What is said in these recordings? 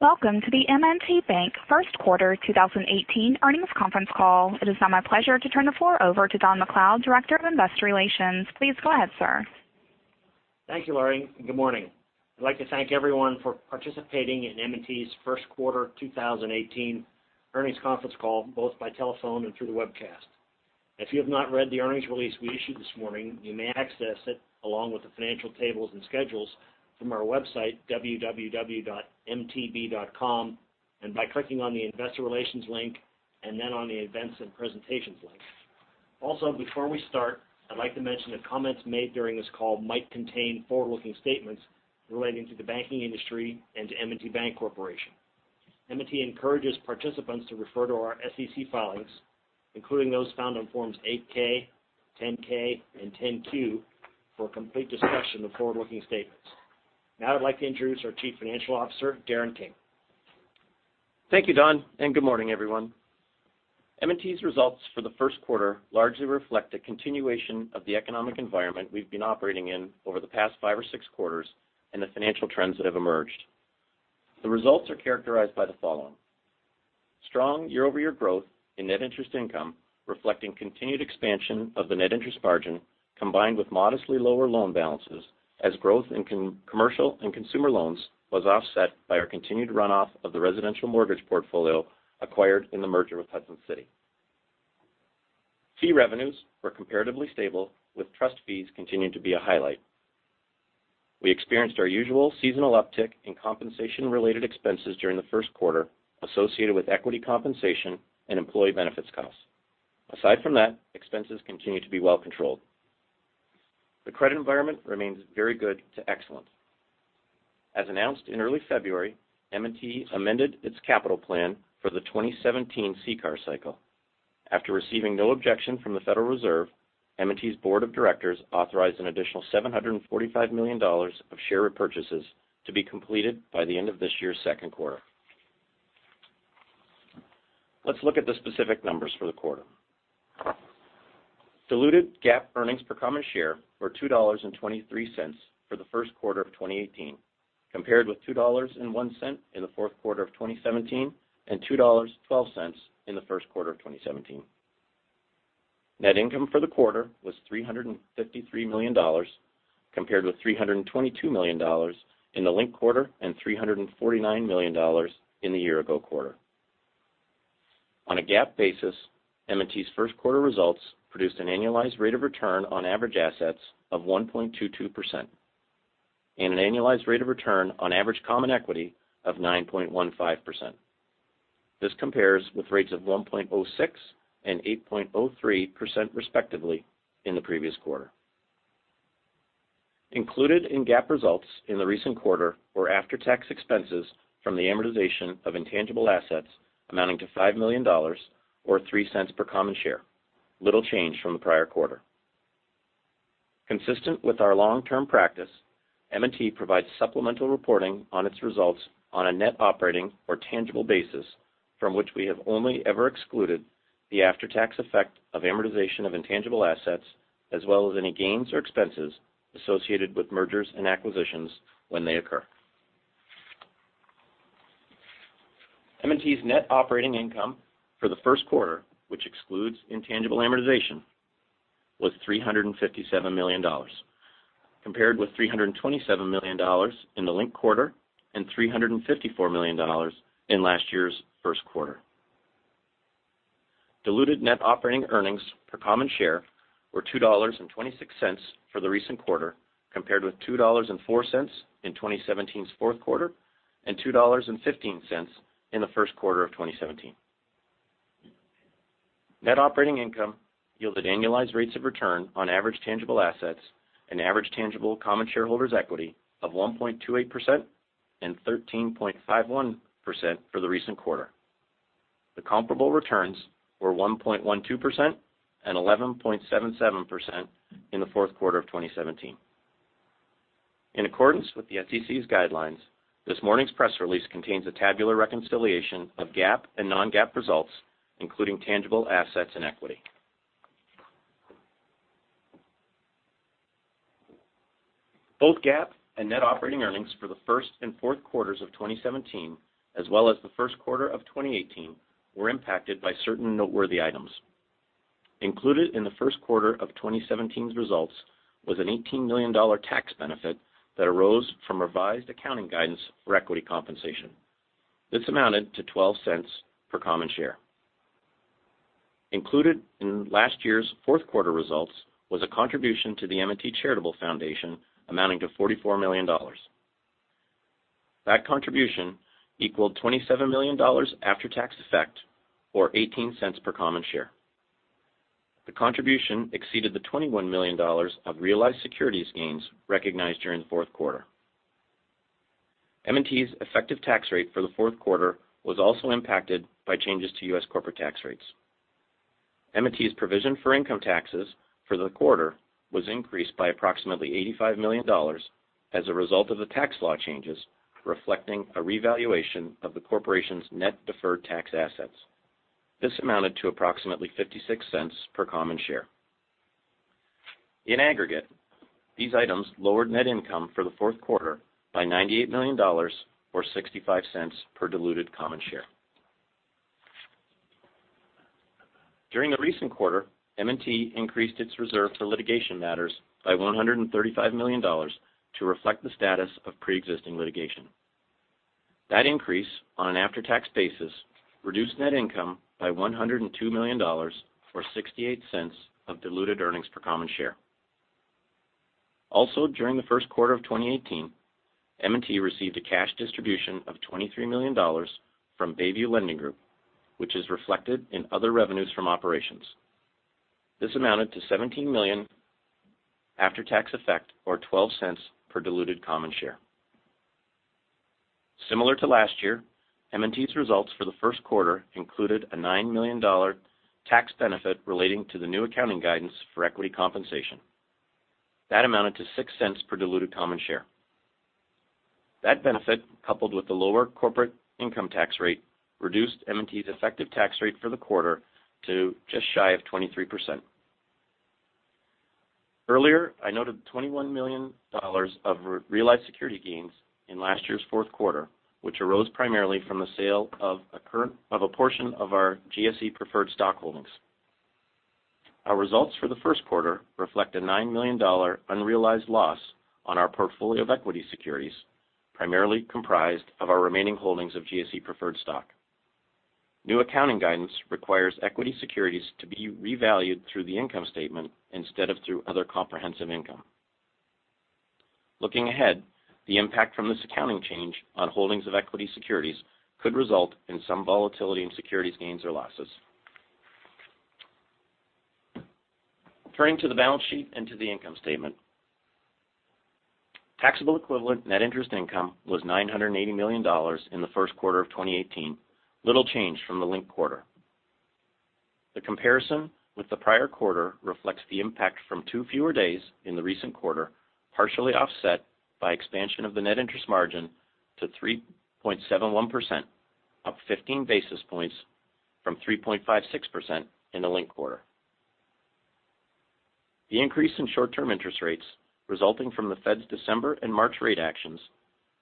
Welcome to the M&T Bank first quarter 2018 earnings conference call. It is now my pleasure to turn the floor over to Don MacLeod, Director of Investor Relations. Please go ahead, sir. Thank you, Laurie, and good morning. I'd like to thank everyone for participating in M&T's first quarter 2018 earnings conference call, both by telephone and through the webcast. If you have not read the earnings release we issued this morning, you may access it, along with the financial tables and schedules, from our website, www.mtb.com, and by clicking on the Investor Relations link and then on the Events and Presentations link. Before we start, I'd like to mention that comments made during this call might contain forward-looking statements relating to the banking industry and to M&T Bank Corporation. M&T encourages participants to refer to our SEC filings, including those found on Forms 8-K, 10-K, and 10-Q, for a complete discussion of forward-looking statements. I'd like to introduce our Chief Financial Officer, Darren King. Thank you, Don, and good morning, everyone. M&T's results for the first quarter largely reflect a continuation of the economic environment we've been operating in over the past five or six quarters and the financial trends that have emerged. The results are characterized by the following. Strong year-over-year growth in net interest income, reflecting continued expansion of the net interest margin, combined with modestly lower loan balances, as growth in commercial and consumer loans was offset by our continued runoff of the residential mortgage portfolio acquired in the merger with Hudson City. Fee revenues were comparatively stable, with trust fees continuing to be a highlight. We experienced our usual seasonal uptick in compensation-related expenses during the first quarter, associated with equity compensation and employee benefits costs. Aside from that, expenses continue to be well controlled. The credit environment remains very good to excellent. As announced in early February, M&T amended its capital plan for the 2017 CCAR cycle. After receiving no objection from the Federal Reserve, M&T's Board of Directors authorized an additional $745 million of share repurchases to be completed by the end of this year's second quarter. Let's look at the specific numbers for the quarter. Diluted GAAP earnings per common share were $2.23 for the first quarter of 2018, compared with $2.01 in the fourth quarter of 2017 and $2.12 in the first quarter of 2017. Net income for the quarter was $353 million, compared with $322 million in the linked quarter and $349 million in the year-ago quarter. On a GAAP basis, M&T's first quarter results produced an annualized rate of return on average assets of 1.22% and an annualized rate of return on average common equity of 9.15%. This compares with rates of 1.06% and 8.03%, respectively, in the previous quarter. Included in GAAP results in the recent quarter were after-tax expenses from the amortization of intangible assets amounting to $5 million, or $0.03 per common share, little change from the prior quarter. Consistent with our long-term practice, M&T provides supplemental reporting on its results on a net operating or tangible basis from which we have only ever excluded the after-tax effect of amortization of intangible assets, as well as any gains or expenses associated with mergers and acquisitions when they occur. M&T's net operating income for the first quarter, which excludes intangible amortization, was $357 million, compared with $327 million in the linked quarter and $354 million in last year's first quarter. Diluted net operating earnings per common share were $2.26 for the recent quarter, compared with $2.04 in 2017's fourth quarter and $2.15 in the first quarter of 2017. Net operating income yielded annualized rates of return on average tangible assets and average tangible common shareholders' equity of 1.28% and 13.51% for the recent quarter. The comparable returns were 1.12% and 11.77% in the fourth quarter of 2017. In accordance with the SEC's guidelines, this morning's press release contains a tabular reconciliation of GAAP and non-GAAP results, including tangible assets and equity. Both GAAP and net operating earnings for the first and fourth quarters of 2017, as well as the first quarter of 2018, were impacted by certain noteworthy items. Included in the first quarter of 2017's results was an $18 million tax benefit that arose from revised accounting guidance for equity compensation. This amounted to $0.12 per common share. Included in last year's fourth quarter results was a contribution to the M&T Charitable Foundation amounting to $44 million. That contribution equaled $27 million after-tax effect, or $0.18 per common share. The contribution exceeded the $21 million of realized securities gains recognized during the fourth quarter. M&T's effective tax rate for the fourth quarter was also impacted by changes to U.S. corporate tax rates. M&T's provision for income taxes for the quarter was increased by approximately $85 million as a result of the tax law changes, reflecting a revaluation of the corporation's net deferred tax assets. This amounted to approximately $0.56 per common share. In aggregate, these items lowered net income for the fourth quarter by $98 million, or $0.65 per diluted common share. During the recent quarter, M&T increased its reserve for litigation matters by $135 million to reflect the status of preexisting litigation. That increase, on an after-tax basis, reduced net income by $102 million, or $0.68 of diluted earnings per common share. Also, during the first quarter of 2018, M&T received a cash distribution of $23 million from Bayview Lending Group, which is reflected in other revenues from operations. This amounted to $17 million after-tax effect, or $0.12 per diluted common share. Similar to last year, M&T's results for the first quarter included a $9 million tax benefit relating to the new accounting guidance for equity compensation. That amounted to $0.06 per diluted common share. That benefit, coupled with the lower corporate income tax rate, reduced M&T's effective tax rate for the quarter to just shy of 23%. Earlier, I noted $21 million of realized security gains in last year's fourth quarter, which arose primarily from the sale of a portion of our GSE preferred stock holdings. Our results for the first quarter reflect a $9 million unrealized loss on our portfolio of equity securities, primarily comprised of our remaining holdings of GSE preferred stock. New accounting guidance requires equity securities to be revalued through the income statement instead of through other comprehensive income. Looking ahead, the impact from this accounting change on holdings of equity securities could result in some volatility in securities gains or losses. Turning to the balance sheet and to the income statement. Taxable equivalent net interest income was $980 million in the first quarter of 2018, little change from the linked quarter. The comparison with the prior quarter reflects the impact from two fewer days in the recent quarter, partially offset by expansion of the net interest margin to 3.71%, up 15 basis points from 3.56% in the linked quarter. The increase in short-term interest rates resulting from the Fed's December and March rate actions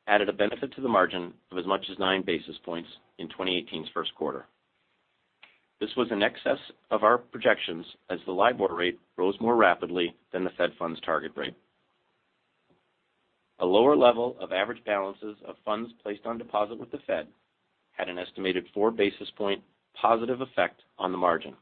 added a benefit to the margin of as much as nine basis points in 2018's first quarter. This was in excess of our projections, as the LIBOR rate rose more rapidly than the Fed funds target rate. A lower level of average balances of funds placed on deposit with the Fed had an estimated four basis point positive effect on the margin.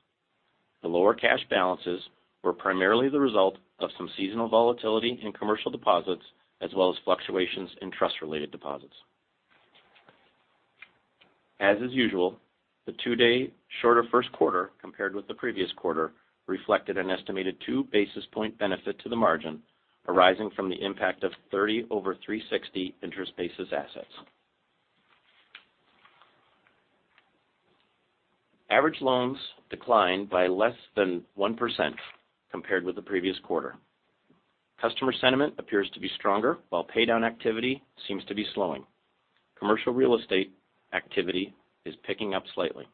The lower cash balances were primarily the result of some seasonal volatility in commercial deposits, as well as fluctuations in trust-related deposits. As is usual, the two-day shorter first quarter compared with the previous quarter reflected an estimated two basis point benefit to the margin arising from the impact of 30 over 360 interest basis assets. Average loans declined by less than 1% compared with the previous quarter. Customer sentiment appears to be stronger while paydown activity seems to be slowing. Commercial real estate activity is picking up slightly.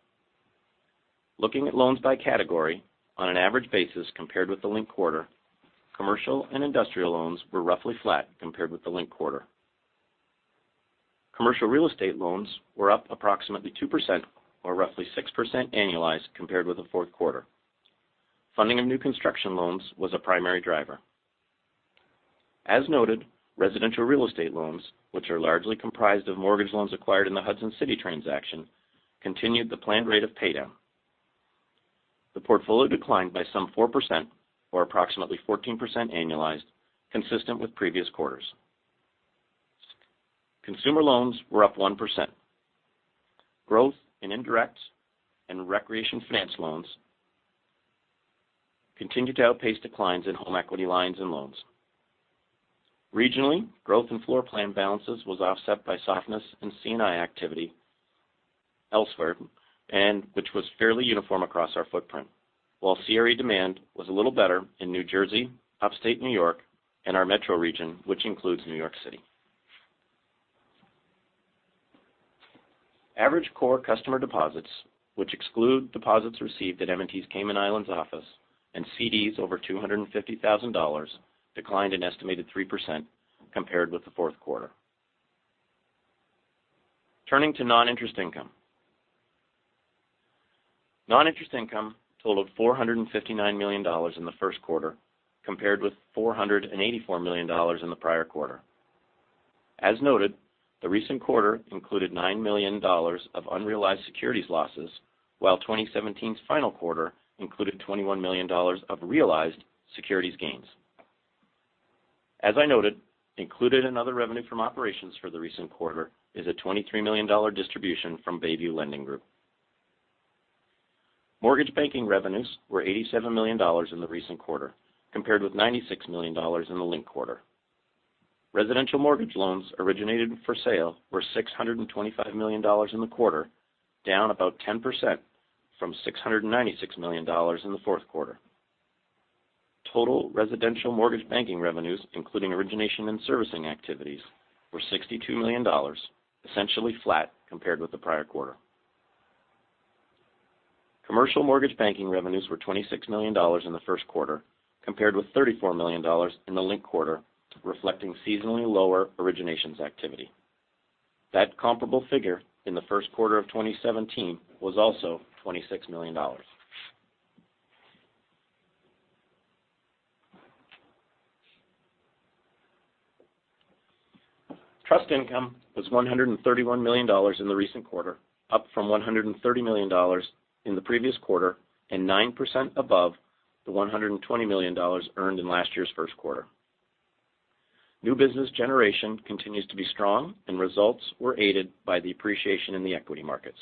Looking at loans by category, on an average basis compared with the linked quarter, commercial and industrial loans were roughly flat compared with the linked quarter. Commercial real estate loans were up approximately 2%, or roughly 6% annualized compared with the fourth quarter. Funding of new construction loans was a primary driver. As noted, residential real estate loans, which are largely comprised of mortgage loans acquired in the Hudson City transaction, continued the planned rate of paydown. The portfolio declined by some 4%, or approximately 14% annualized, consistent with previous quarters. Consumer loans were up 1%. Growth in indirect and recreation finance loans continued to outpace declines in home equity lines and loans. Regionally, growth in floor plan balances was offset by softness in C&I activity elsewhere, which was fairly uniform across our footprint, while CRE demand was a little better in New Jersey, upstate New York, and our metro region, which includes New York City. Average core customer deposits, which exclude deposits received at M&T's Cayman Islands office and CDs over $250,000, declined an estimated 3% compared with the fourth quarter. Turning to non-interest income. Non-interest income totaled $459 million in the first quarter, compared with $484 million in the prior quarter. As noted, the recent quarter included $9 million of unrealized securities losses, while 2017's final quarter included $21 million of realized securities gains. As I noted, included in other revenue from operations for the recent quarter is a $23 million distribution from Bayview Lending Group. Mortgage banking revenues were $87 million in the recent quarter, compared with $96 million in the linked quarter. Residential mortgage loans originated for sale were $625 million in the quarter, down about 10% from $696 million in the fourth quarter. Total residential mortgage banking revenues, including origination and servicing activities, were $62 million, essentially flat compared with the prior quarter. Commercial mortgage banking revenues were $26 million in the first quarter, compared with $34 million in the linked quarter, reflecting seasonally lower originations activity. That comparable figure in the first quarter of 2017 was also $26 million. Trust income was $131 million in the recent quarter, up from $130 million in the previous quarter and 9% above the $120 million earned in last year's first quarter. New business generation continues to be strong, and results were aided by the appreciation in the equity markets.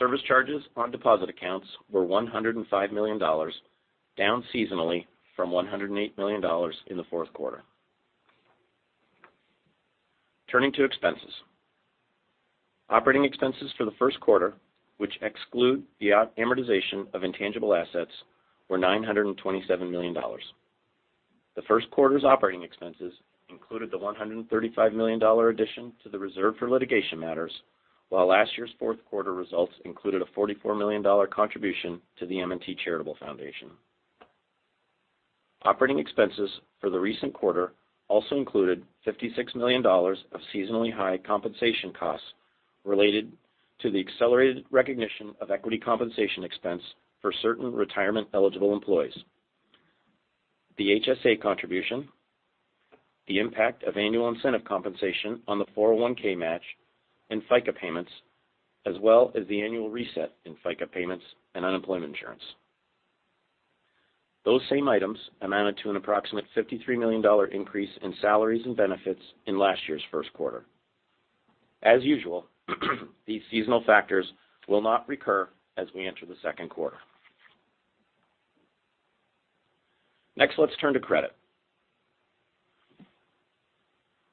Service charges on deposit accounts were $105 million, down seasonally from $108 million in the fourth quarter. Turning to expenses. Operating expenses for the first quarter, which exclude the amortization of intangible assets, were $927 million. The first quarter's operating expenses included the $135 million addition to the reserve for litigation matters, while last year's fourth quarter results included a $44 million contribution to the M&T Charitable Foundation. Operating expenses for the recent quarter also included $56 million of seasonally high compensation costs related to the accelerated recognition of equity compensation expense for certain retirement-eligible employees. The HSA contribution, the impact of annual incentive compensation on the 401 match, and FICA payments, as well as the annual reset in FICA payments and unemployment insurance. Those same items amounted to an approximate $53 million increase in salaries and benefits in last year's first quarter. As usual, these seasonal factors will not recur as we enter the second quarter. Next, let's turn to credit.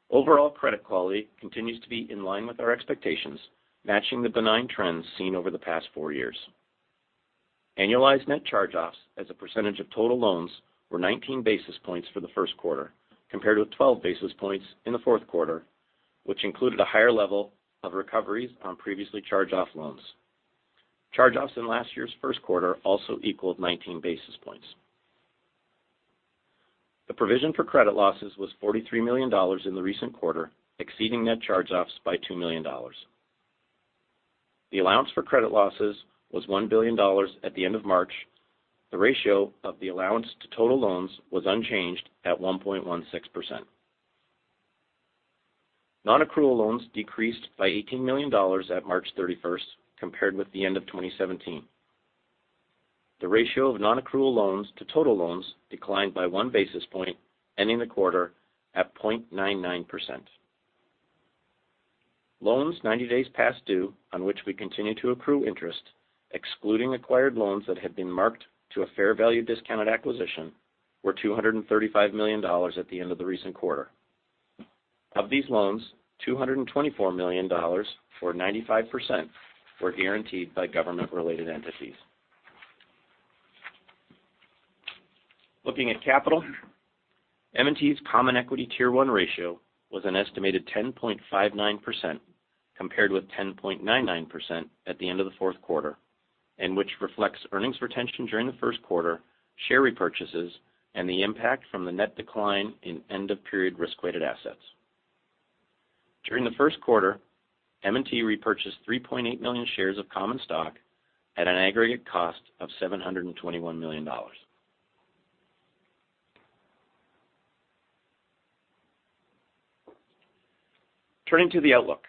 Overall credit quality continues to be in line with our expectations, matching the benign trends seen over the past four years. Annualized net charge-offs as a percentage of total loans were 19 basis points for the first quarter, compared with 12 basis points in the fourth quarter, which included a higher level of recoveries on previously charged-off loans. Charge-offs in last year's first quarter also equaled 19 basis points. The provision for credit losses was $43 million in the recent quarter, exceeding net charge-offs by $2 million. The allowance for credit losses was $1 billion at the end of March. The ratio of the allowance to total loans was unchanged at 1.16%. Nonaccrual loans decreased by $18 million at March 31st, compared with the end of 2017. The ratio of nonaccrual loans to total loans declined by one basis point, ending the quarter at 0.99%. Loans 90 days past due, on which we continue to accrue interest, excluding acquired loans that have been marked to a fair value discounted acquisition, were $235 million at the end of the recent quarter. Of these loans, $224 million, or 95%, were guaranteed by government-related entities. Looking at capital, M&T's common equity Tier 1 ratio was an estimated 10.59%, compared with 10.99% at the end of the fourth quarter, which reflects earnings retention during the first quarter, share repurchases, and the impact from the net decline in end-of-period risk-weighted assets. During the first quarter, M&T repurchased 3.8 million shares of common stock at an aggregate cost of $721 million. Turning to the outlook.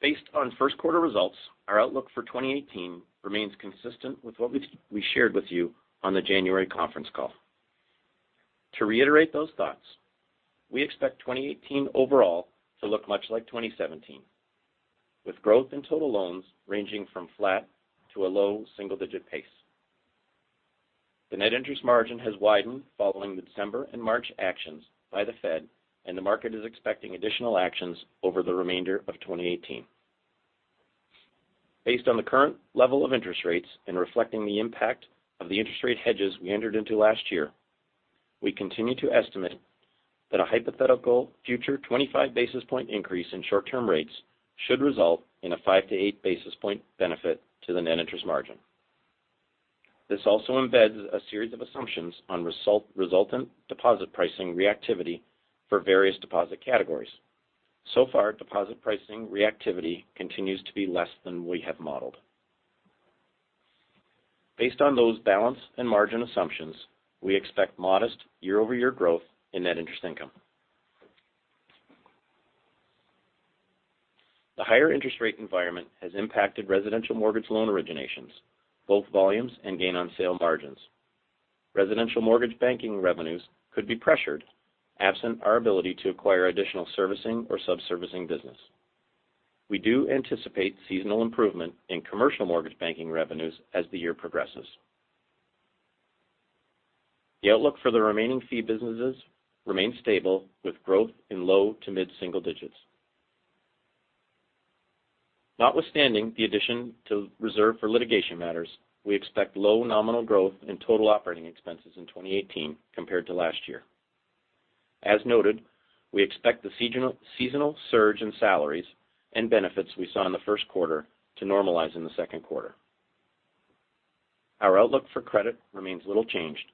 Based on first quarter results, our outlook for 2018 remains consistent with what we shared with you on the January conference call. To reiterate those thoughts, we expect 2018 overall to look much like 2017, with growth in total loans ranging from flat to a low single-digit pace. The net interest margin has widened following the December and March actions by the Fed, and the market is expecting additional actions over the remainder of 2018. Based on the current level of interest rates and reflecting the impact of the interest rate hedges we entered into last year, we continue to estimate that a hypothetical future 25-basis-point increase in short-term rates should result in a five to eight basis point benefit to the net interest margin. This also embeds a series of assumptions on resultant deposit pricing reactivity for various deposit categories. So far, deposit pricing reactivity continues to be less than we have modeled. Based on those balance and margin assumptions, we expect modest year-over-year growth in net interest income. The higher interest rate environment has impacted residential mortgage loan originations, both volumes and gain on sale margins. Residential mortgage banking revenues could be pressured absent our ability to acquire additional servicing or subservicing business. We do anticipate seasonal improvement in commercial mortgage banking revenues as the year progresses. The outlook for the remaining fee businesses remains stable, with growth in low to mid-single digits. Notwithstanding the addition to reserve for litigation matters, we expect low nominal growth in total operating expenses in 2018 compared to last year. As noted, we expect the seasonal surge in salaries and benefits we saw in the first quarter to normalize in the second quarter. Our outlook for credit remains little changed.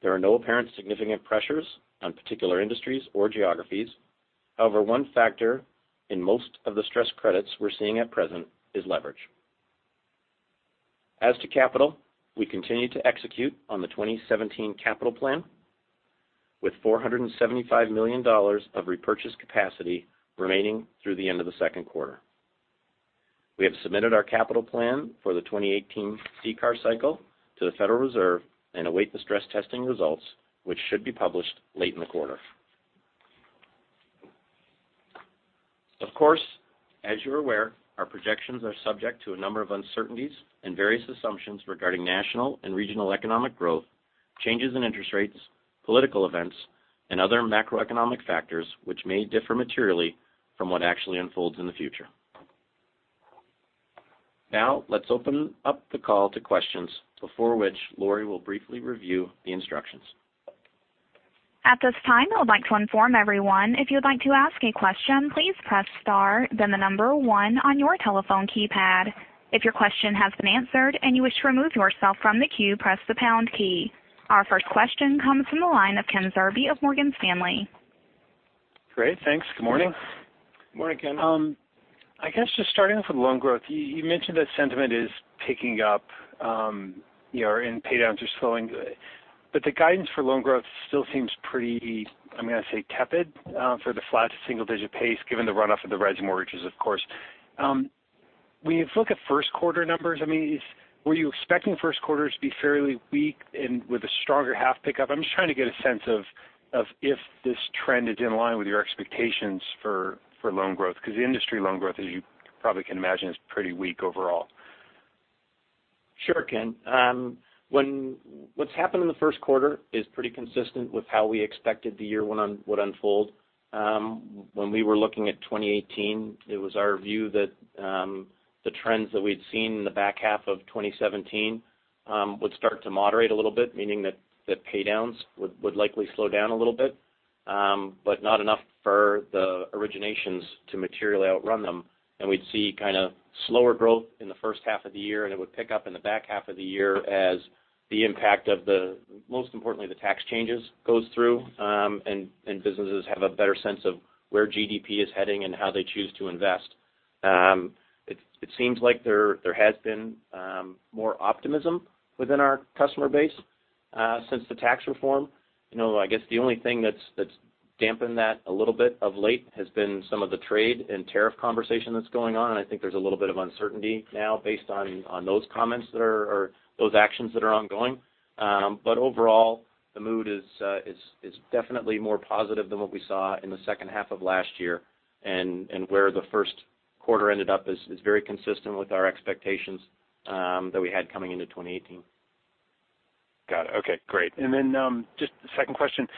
There are no apparent significant pressures on particular industries or geographies. However, one factor in most of the stress credits we're seeing at present is leverage. As to capital, we continue to execute on the 2017 capital plan, with $475 million of repurchase capacity remaining through the end of the second quarter. We have submitted our capital plan for the 2018 CCAR cycle to the Federal Reserve and await the stress testing results, which should be published late in the quarter. Of course, as you're aware, our projections are subject to a number of uncertainties and various assumptions regarding national and regional economic growth, changes in interest rates, political events, and other macroeconomic factors which may differ materially from what actually unfolds in the future. Let's open up the call to questions, before which Lori will briefly review the instructions. At this time, I would like to inform everyone, if you'd like to ask a question, please press star, then the number one on your telephone keypad. If your question has been answered and you wish to remove yourself from the queue, press the pound key. Our first question comes from the line of Ken Zerbe of Morgan Stanley. Great. Thanks. Good morning. Good morning, Ken. I guess just starting off with loan growth. You mentioned that sentiment is picking up and paydowns are slowing. The guidance for loan growth still seems pretty, I'm going to say, tepid for the flat to single digit pace given the runoff of the res mortgages, of course. When you look at first quarter numbers, were you expecting first quarter to be fairly weak and with a stronger half pickup? I'm just trying to get a sense of if this trend is in line with your expectations for loan growth, because the industry loan growth, as you probably can imagine, is pretty weak overall. Sure, Ken. What's happened in the first quarter is pretty consistent with how we expected the year would unfold. When we were looking at 2018, it was our view that the trends that we'd seen in the back half of 2017 would start to moderate a little bit, meaning that paydowns would likely slow down a little bit. Not enough for the originations to materially outrun them. We'd see slower growth in the first half of the year, and it would pick up in the back half of the year as the impact of the, most importantly, the tax changes goes through, and businesses have a better sense of where GDP is heading and how they choose to invest. It seems like there has been more optimism within our customer base since the tax reform. I guess the only thing that's dampened that a little bit of late has been some of the trade and tariff conversation that's going on. I think there's a little bit of uncertainty now based on those comments or those actions that are ongoing. Overall, the mood is definitely more positive than what we saw in the second half of last year. Where the first quarter ended up is very consistent with our expectations that we had coming into 2018. Got it. Okay, great. Then just the second question.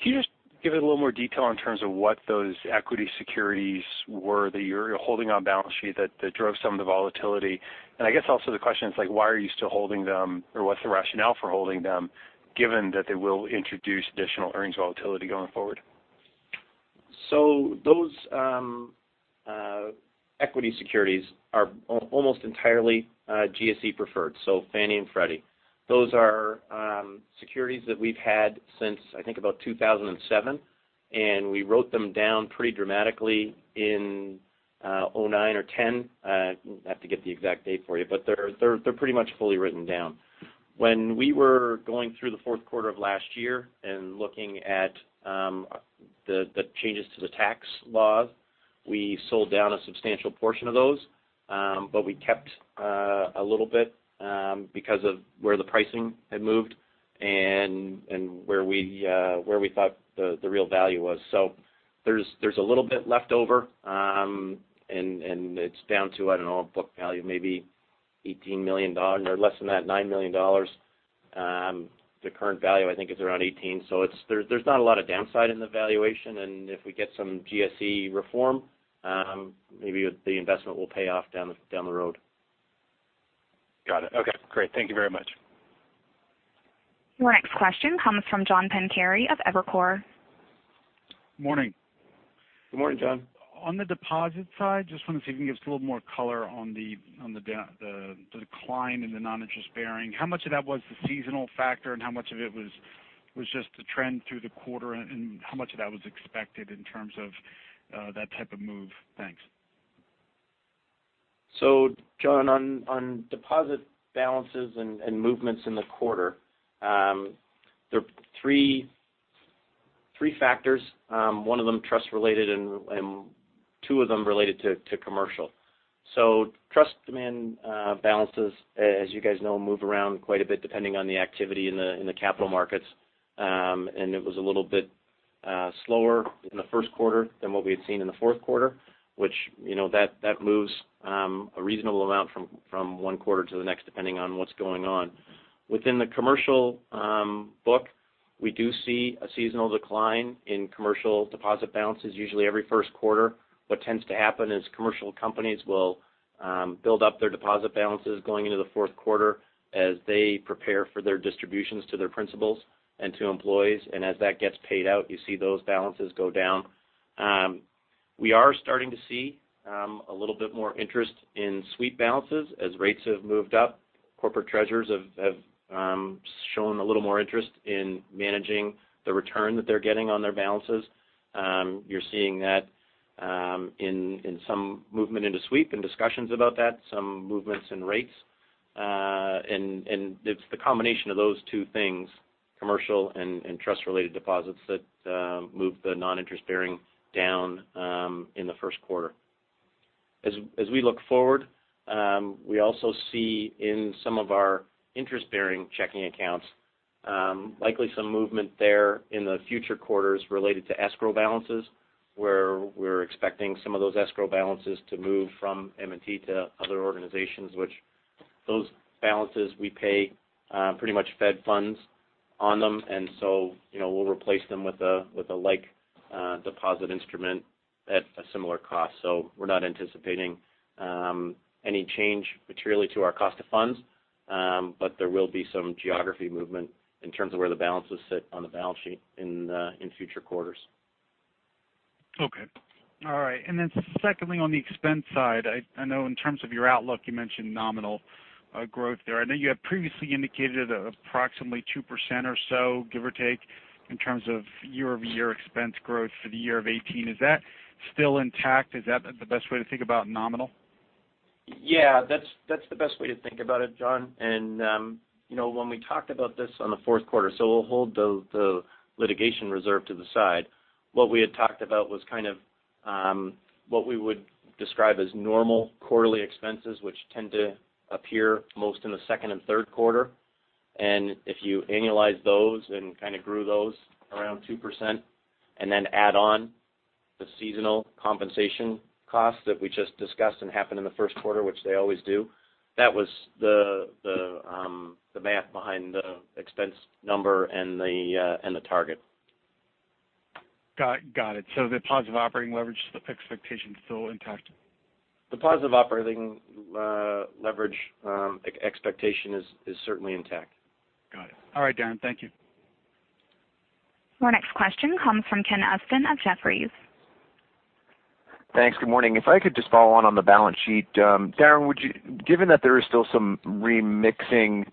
Can you just give it a little more detail in terms of what those equity securities were that you're holding on balance sheet that drove some of the volatility? I guess also the question is why are you still holding them or what's the rationale for holding them given that they will introduce additional earnings volatility going forward? Those equity securities are almost entirely GSE preferred, Fannie and Freddie. Those are securities that we've had since I think about 2007, and we wrote them down pretty dramatically in 2009 or 2010. I'd have to get the exact date for you, but they're pretty much fully written down. When we were going through the fourth quarter of last year and looking at the changes to the tax laws, we sold down a substantial portion of those. We kept a little bit because of where the pricing had moved and where we thought the real value was. There's a little bit left over, and it's down to, I don't know, a book value of maybe $18 million or less than that, $9 million. The current value I think is around $18 million. There's not a lot of downside in the valuation, and if we get some GSE reform, maybe the investment will pay off down the road. Got it. Okay, great. Thank you very much. Your next question comes from John Pancari of Evercore. Morning. Good morning, John. On the deposit side, just want to see if you can give us a little more color on the decline in the non-interest-bearing. How much of that was the seasonal factor, and how much of it was just the trend through the quarter, and how much of that was expected in terms of that type of move? Thanks. John, on deposit balances and movements in the quarter. There are three factors, one of them trust related and two of them related to commercial. Trust demand balances, as you guys know, move around quite a bit depending on the activity in the capital markets. It was a little bit slower in the first quarter than what we had seen in the fourth quarter, which that moves a reasonable amount from one quarter to the next depending on what's going on. Within the commercial book, we do see a seasonal decline in commercial deposit balances usually every first quarter. What tends to happen is commercial companies will build up their deposit balances going into the fourth quarter as they prepare for their distributions to their principals and to employees. As that gets paid out, you see those balances go down. We are starting to see a little bit more interest in sweep balances as rates have moved up. Corporate treasurers have shown a little more interest in managing the return that they're getting on their balances. You're seeing that in some movement into sweep and discussions about that, some movements in rates. It's the combination of those two things, commercial and trust-related deposits, that moved the non-interest-bearing down in the first quarter. As we look forward, we also see in some of our interest-bearing checking accounts, likely some movement there in the future quarters related to escrow balances, where we're expecting some of those escrow balances to move from M&T to other organizations, which those balances we pay pretty much Fed funds on them, and we'll replace them with a like deposit instrument at a similar cost. We're not anticipating any change materially to our cost of funds. There will be some geography movement in terms of where the balances sit on the balance sheet in future quarters. Okay. All right. Secondly, on the expense side, I know in terms of your outlook, you mentioned nominal growth there. I know you have previously indicated approximately 2% or so, give or take, in terms of year-over-year expense growth for the year of 2018. Is that still intact? Is that the best way to think about nominal? Yeah, that's the best way to think about it, John. When we talked about this on the fourth quarter, we'll hold the litigation reserve to the side. What we had talked about was what we would describe as normal quarterly expenses, which tend to appear most in the second and third quarter. If you annualize those and kind of grew those around 2%, add on the seasonal compensation costs that we just discussed and happened in the first quarter, which they always do, that was the math behind the expense number and the target. Got it. The positive operating leverage expectation is still intact. The positive operating leverage expectation is certainly intact. Got it. All right, Darren. Thank you. Our next question comes from Ken Usdin of Jefferies. Thanks. Good morning. If I could just follow on the balance sheet. Darren, given that there is still some remixing,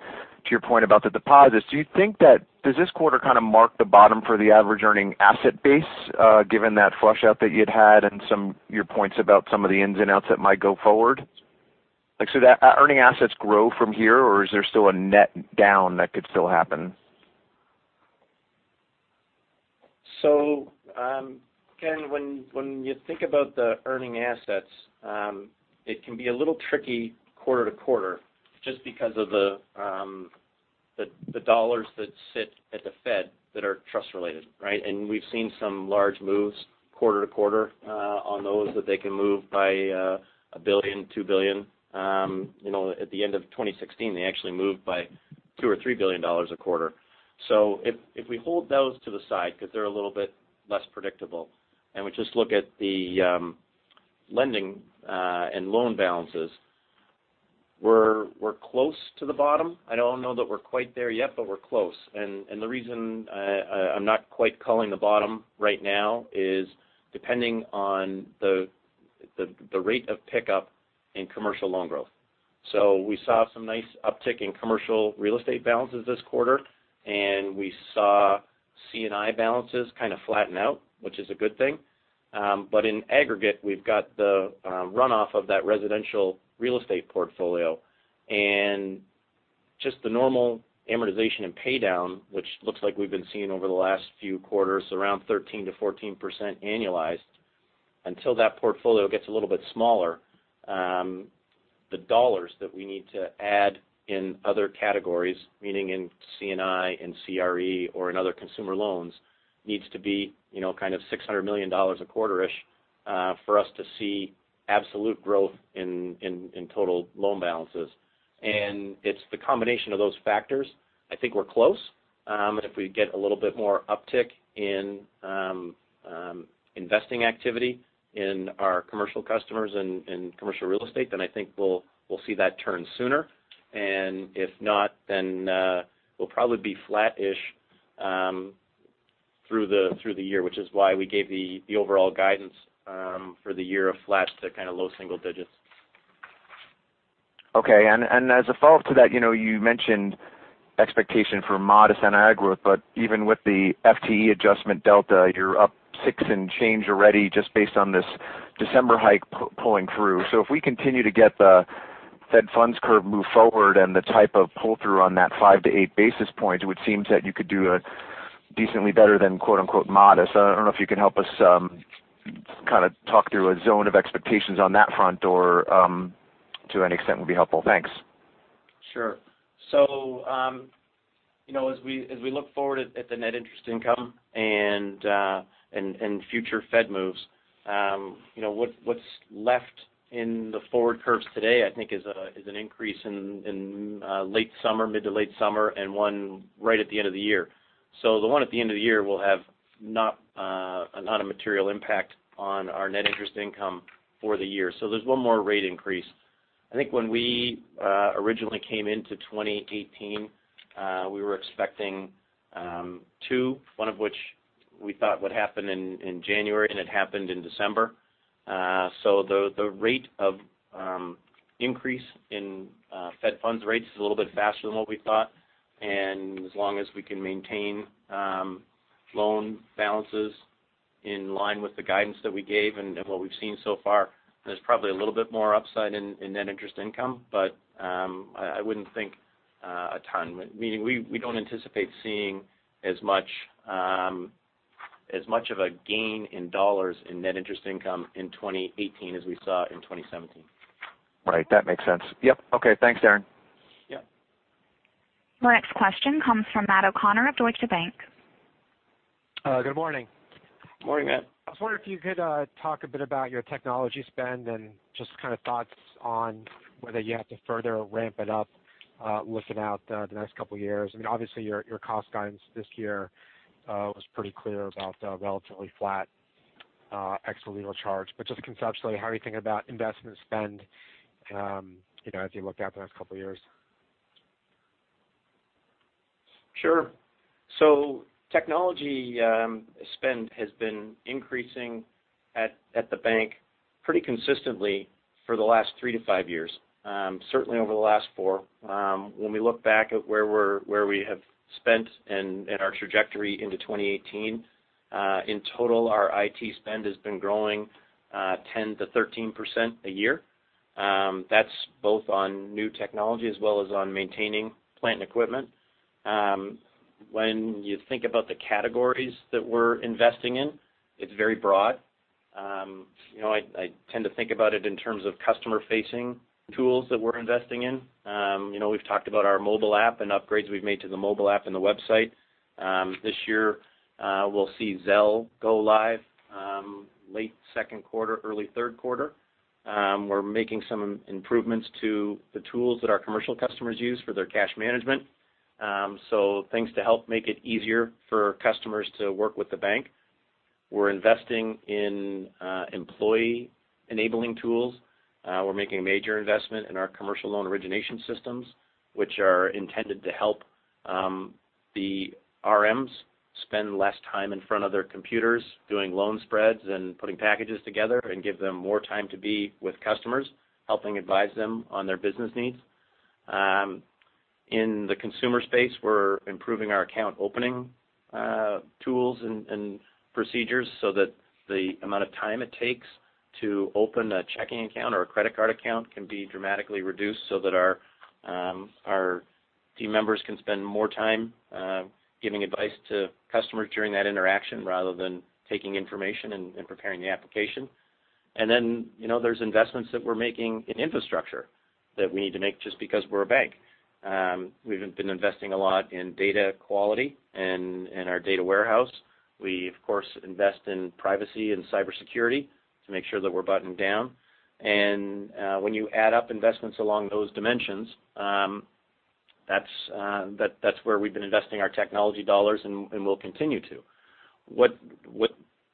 to your point about the deposits, do you think that does this quarter kind of mark the bottom for the average earning asset base, given that flush out that you'd had and your points about some of the ins and outs that might go forward? Do earning assets grow from here, or is there still a net down that could still happen? Ken, when you think about the earning assets, it can be a little tricky quarter to quarter just because of the dollars that sit at the Fed that are trust related, right? We've seen some large moves quarter to quarter on those that they can move by $1 billion, $2 billion. At the end of 2016, they actually moved by $2 billion or $3 billion a quarter. If we hold those to the side because they're a little bit less predictable, and we just look at the lending and loan balances, we're close to the bottom. I don't know that we're quite there yet, but we're close. The reason I'm not quite calling the bottom right now is depending on the rate of pickup in commercial loan growth. We saw some nice uptick in commercial real estate balances this quarter, and we saw C&I balances kind of flatten out, which is a good thing. In aggregate, we've got the runoff of that residential real estate portfolio and just the normal amortization and pay down, which looks like we've been seeing over the last few quarters, around 13%-14% annualized. Until that portfolio gets a little bit smaller, the dollars that we need to add in other categories, meaning in C&I and CRE or in other consumer loans, needs to be kind of $600 million a quarter-ish for us to see absolute growth in total loan balances. It's the combination of those factors. I think we're close. If we get a little bit more uptick in investing activity in our commercial customers and commercial real estate, I think we'll see that turn sooner. If not, then we'll probably be flat-ish through the year, which is why we gave the overall guidance for the year of flat to kind of low single digits. Okay. As a follow-up to that, you mentioned expectation for modest NII growth, but even with the FTE adjustment delta, you're up six and change already just based on this December hike pulling through. If we continue to get the Fed funds curve move forward and the type of pull-through on that five to eight basis points, it would seem that you could do decently better than, quote-unquote, "modest." I don't know if you can help us talk through a zone of expectations on that front, or to any extent would be helpful. Thanks. Sure. As we look forward at the net interest income and future Fed moves, what's left in the forward curves today, I think, is an increase in mid to late summer and one right at the end of the year. The one at the end of the year will have not a material impact on our net interest income for the year. There's one more rate increase I think when we originally came into 2018, we were expecting two, one of which we thought would happen in January, and it happened in December. The rate of increase in Fed funds rates is a little bit faster than what we thought. As long as we can maintain loan balances in line with the guidance that we gave and what we've seen so far, there's probably a little bit more upside in net interest income. I wouldn't think a ton. We don't anticipate seeing as much of a gain in dollars in net interest income in 2018 as we saw in 2017. Right. That makes sense. Yep. Okay, thanks, Darren. Yep. Your next question comes from Matt O'Connor of Deutsche Bank. Good morning. Morning, Matt. I was wondering if you could talk a bit about your technology spend and just kind of thoughts on whether you have to further ramp it up looking out the next couple of years. Obviously, your cost guidance this year was pretty clear about the relatively flat ex legal charge. Just conceptually, how are you thinking about investment spend as you look out the next couple of years? Sure. Technology spend has been increasing at the bank pretty consistently for the last three to five years, certainly over the last four. When we look back at where we have spent and our trajectory into 2018, in total, our IT spend has been growing 10 to 13% a year. That's both on new technology as well as on maintaining plant and equipment. When you think about the categories that we're investing in, it's very broad. I tend to think about it in terms of customer-facing tools that we're investing in. We've talked about our mobile app and upgrades we've made to the mobile app and the website. This year, we'll see Zelle go live late second quarter, early third quarter. We're making some improvements to the tools that our commercial customers use for their cash management. Things to help make it easier for customers to work with the bank. We're investing in employee enabling tools. We're making a major investment in our commercial loan origination systems, which are intended to help the RMs spend less time in front of their computers doing loan spreads and putting packages together and give them more time to be with customers, helping advise them on their business needs. In the consumer space, we're improving our account opening tools and procedures so that the amount of time it takes to open a checking account or a credit card account can be dramatically reduced so that our team members can spend more time giving advice to customers during that interaction rather than taking information and preparing the application. There's investments that we're making in infrastructure that we need to make just because we're a bank. We've been investing a lot in data quality and our data warehouse. We, of course, invest in privacy and cybersecurity to make sure that we're buttoned down. When you add up investments along those dimensions, that's where we've been investing our technology dollars and will continue to. What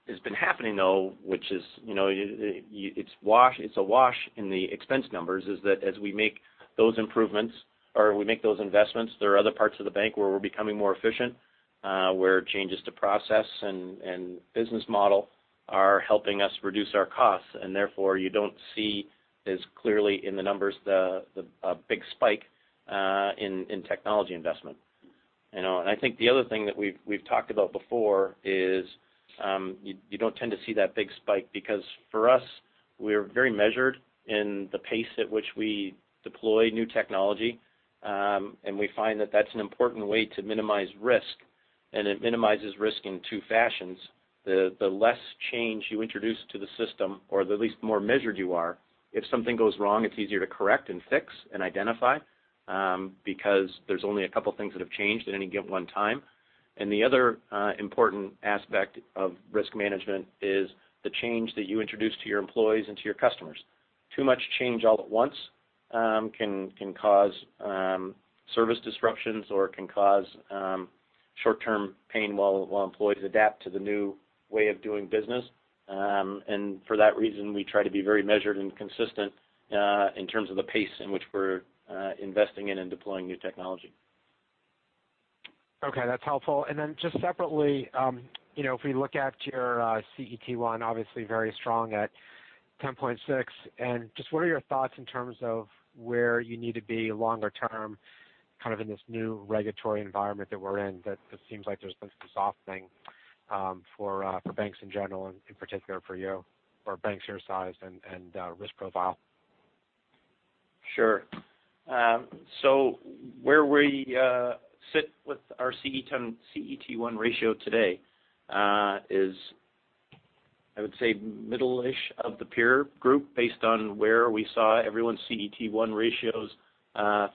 has been happening, though, which is it's a wash in the expense numbers, is that as we make those improvements or we make those investments, there are other parts of the bank where we're becoming more efficient where changes to process and business model are helping us reduce our costs, and therefore you don't see as clearly in the numbers a big spike in technology investment. I think the other thing that we've talked about before is you don't tend to see that big spike because for us, we're very measured in the pace at which we deploy new technology, and we find that that's an important way to minimize risk. It minimizes risk in two fashions. The less change you introduce to the system, or the at least more measured you are, if something goes wrong, it's easier to correct and fix and identify because there's only a couple of things that have changed at any given one time. The other important aspect of risk management is the change that you introduce to your employees and to your customers. Too much change all at once can cause service disruptions or can cause short-term pain while employees adapt to the new way of doing business. For that reason, we try to be very measured and consistent in terms of the pace in which we're investing in and deploying new technology. Okay, that's helpful. Then just separately, if we look at your CET1, obviously very strong at 10.6. Just what are your thoughts in terms of where you need to be longer term, kind of in this new regulatory environment that we're in, that it seems like there's been some softening for banks in general and in particular for you or banks your size and risk profile? Sure. Where we sit with our CET1 ratio today is, I would say middle-ish of the peer group based on where we saw everyone's CET1 ratios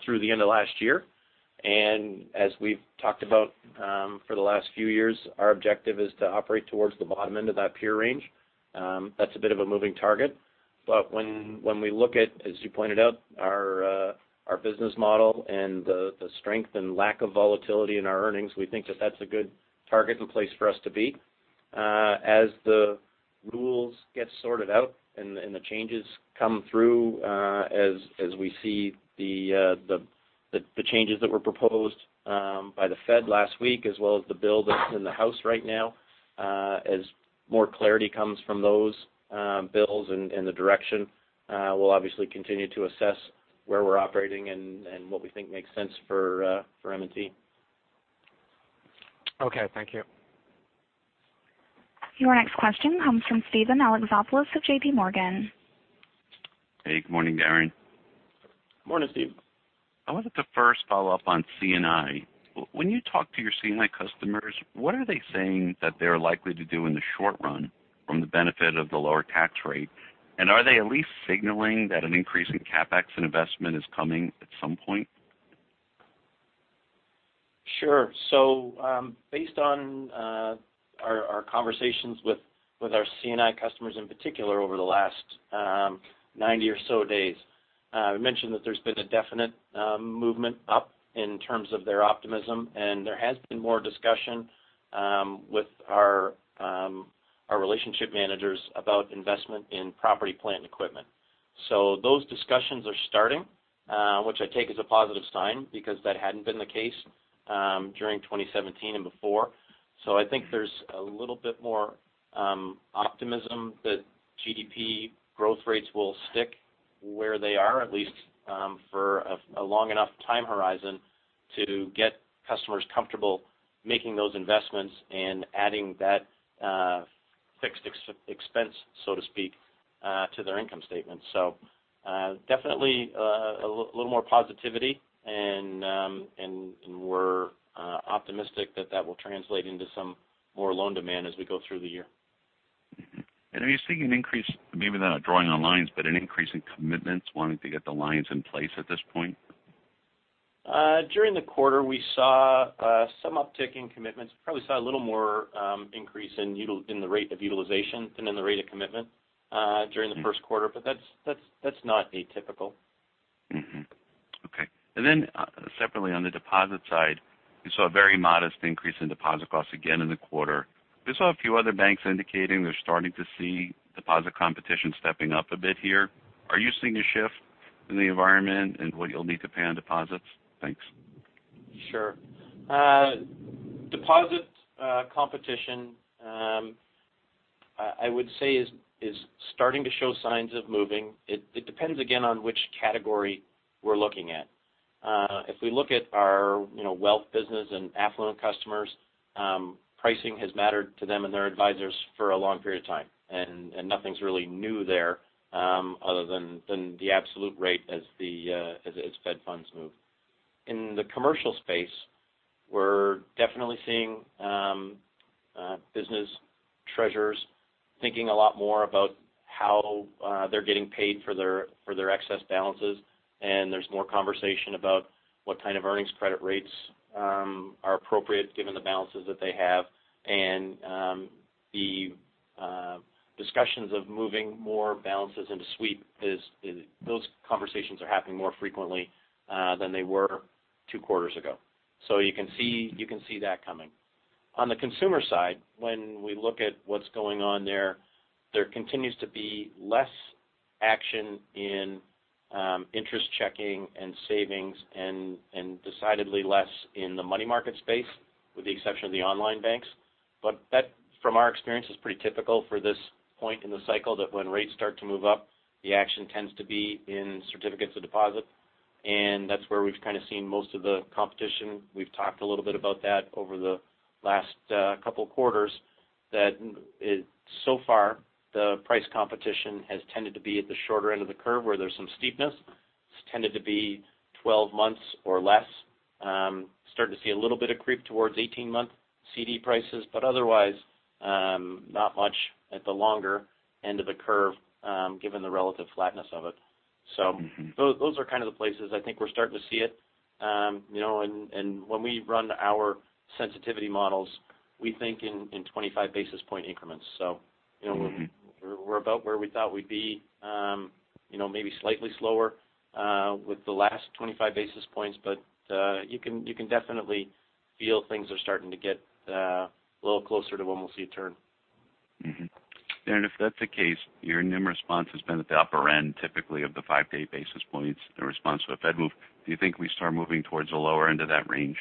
through the end of last year. As we've talked about for the last few years, our objective is to operate towards the bottom end of that peer range. That's a bit of a moving target. When we look at, as you pointed out, our business model and the strength and lack of volatility in our earnings, we think that that's a good target and place for us to be. As the rules get sorted out and the changes come through, as we see the changes that were proposed by the Fed last week as well as the bill that's in the House right now, as more clarity comes from those bills and the direction, we'll obviously continue to assess where we're operating and what we think makes sense for M&T. Okay. Thank you. Your next question comes from Steven Alexopoulos of JPMorgan. Hey, good morning, Darren. Morning, Steve. I wanted to first follow up on C&I. When you talk to your C&I customers, what are they saying that they're likely to do in the short run from the benefit of the lower tax rate? Are they at least signaling that an increase in CapEx and investment is coming at some point? Sure. Based on our conversations with our C&I customers in particular over the last 90 or so days, I mentioned that there's been a definite movement up in terms of their optimism, and there has been more discussion with our relationship managers about investment in property, plant, and equipment. Those discussions are starting, which I take as a positive sign because that hadn't been the case during 2017 and before. I think there's a little bit more optimism that GDP growth rates will stick where they are, at least for a long enough time horizon to get customers comfortable making those investments and adding that fixed expense, so to speak, to their income statement. Definitely a little more positivity and we're optimistic that that will translate into some more loan demand as we go through the year. Mm-hmm. Are you seeing an increase, maybe not drawing on lines, but an increase in commitments wanting to get the lines in place at this point? During the quarter, we saw some uptick in commitments. We probably saw a little more increase in the rate of utilization than in the rate of commitment during the first quarter, but that's not atypical. Mm-hmm. Okay. Separately, on the deposit side, we saw a very modest increase in deposit costs again in the quarter. We saw a few other banks indicating they're starting to see deposit competition stepping up a bit here. Are you seeing a shift in the environment and what you'll need to pay on deposits? Thanks. Sure. Deposit competition, I would say is starting to show signs of moving. It depends, again, on which category we're looking at. If we look at our wealth business and affluent customers, pricing has mattered to them and their advisors for a long period of time, and nothing's really new there other than the absolute rate as Fed funds move. In the commercial space, we're definitely seeing business treasurers thinking a lot more about how they're getting paid for their excess balances, and there's more conversation about what kind of earnings credit rates are appropriate given the balances that they have. The discussions of moving more balances into sweep, those conversations are happening more frequently than they were two quarters ago. You can see that coming. On the consumer side, when we look at what's going on there continues to be less action in interest checking and savings and decidedly less in the money market space, with the exception of the online banks. That, from our experience, is pretty typical for this point in the cycle, that when rates start to move up, the action tends to be in certificates of deposit, and that's where we've kind of seen most of the competition. We've talked a little bit about that over the last couple of quarters, that so far, the price competition has tended to be at the shorter end of the curve where there's some steepness. It's tended to be 12 months or less. Starting to see a little bit of creep towards 18-month CD prices, otherwise, not much at the longer end of the curve given the relative flatness of it. Those are kind of the places I think we're starting to see it. When we run our sensitivity models, we think in 25 basis point increments. We're about where we thought we'd be maybe slightly slower with the last 25 basis points, you can definitely feel things are starting to get a little closer to when we'll see a turn. Darren, if that's the case, your NIM response has been at the upper end typically of the 5 to 8 basis points in response to a Fed move. Do you think we start moving towards the lower end of that range?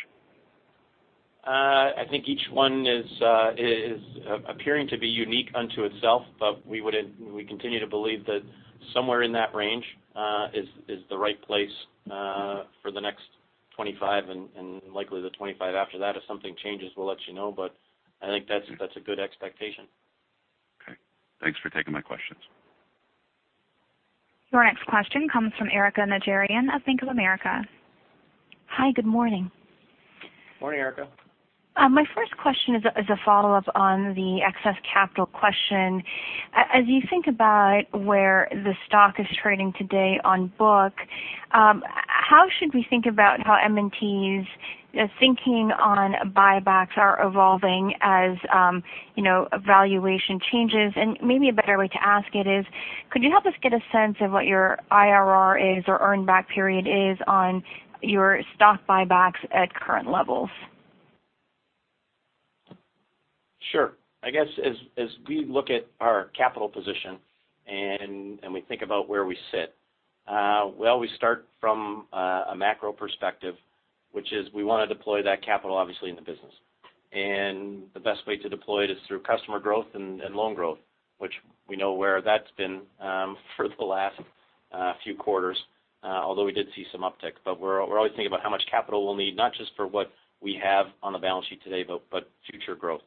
I think each one is appearing to be unique unto itself, we continue to believe that somewhere in that range is the right place for the next 25 and likely the 25 after that. If something changes, we'll let you know, I think that's a good expectation. Okay. Thanks for taking my questions. Your next question comes from Erika Najarian of Bank of America. Hi, good morning. Morning, Erika. My first question is a follow-up on the excess capital question. As you think about where the stock is trading today on book, how should we think about how M&T's thinking on buybacks are evolving as valuation changes? Maybe a better way to ask it is, could you help us get a sense of what your IRR is or earn back period is on your stock buybacks at current levels? Sure. I guess as we look at our capital position and we think about where we sit, well, we start from a macro perspective, which is we want to deploy that capital, obviously, in the business. The best way to deploy it is through customer growth and loan growth, which we know where that's been for the last few quarters, although we did see some uptick. We're always thinking about how much capital we'll need, not just for what we have on the balance sheet today, but future growth.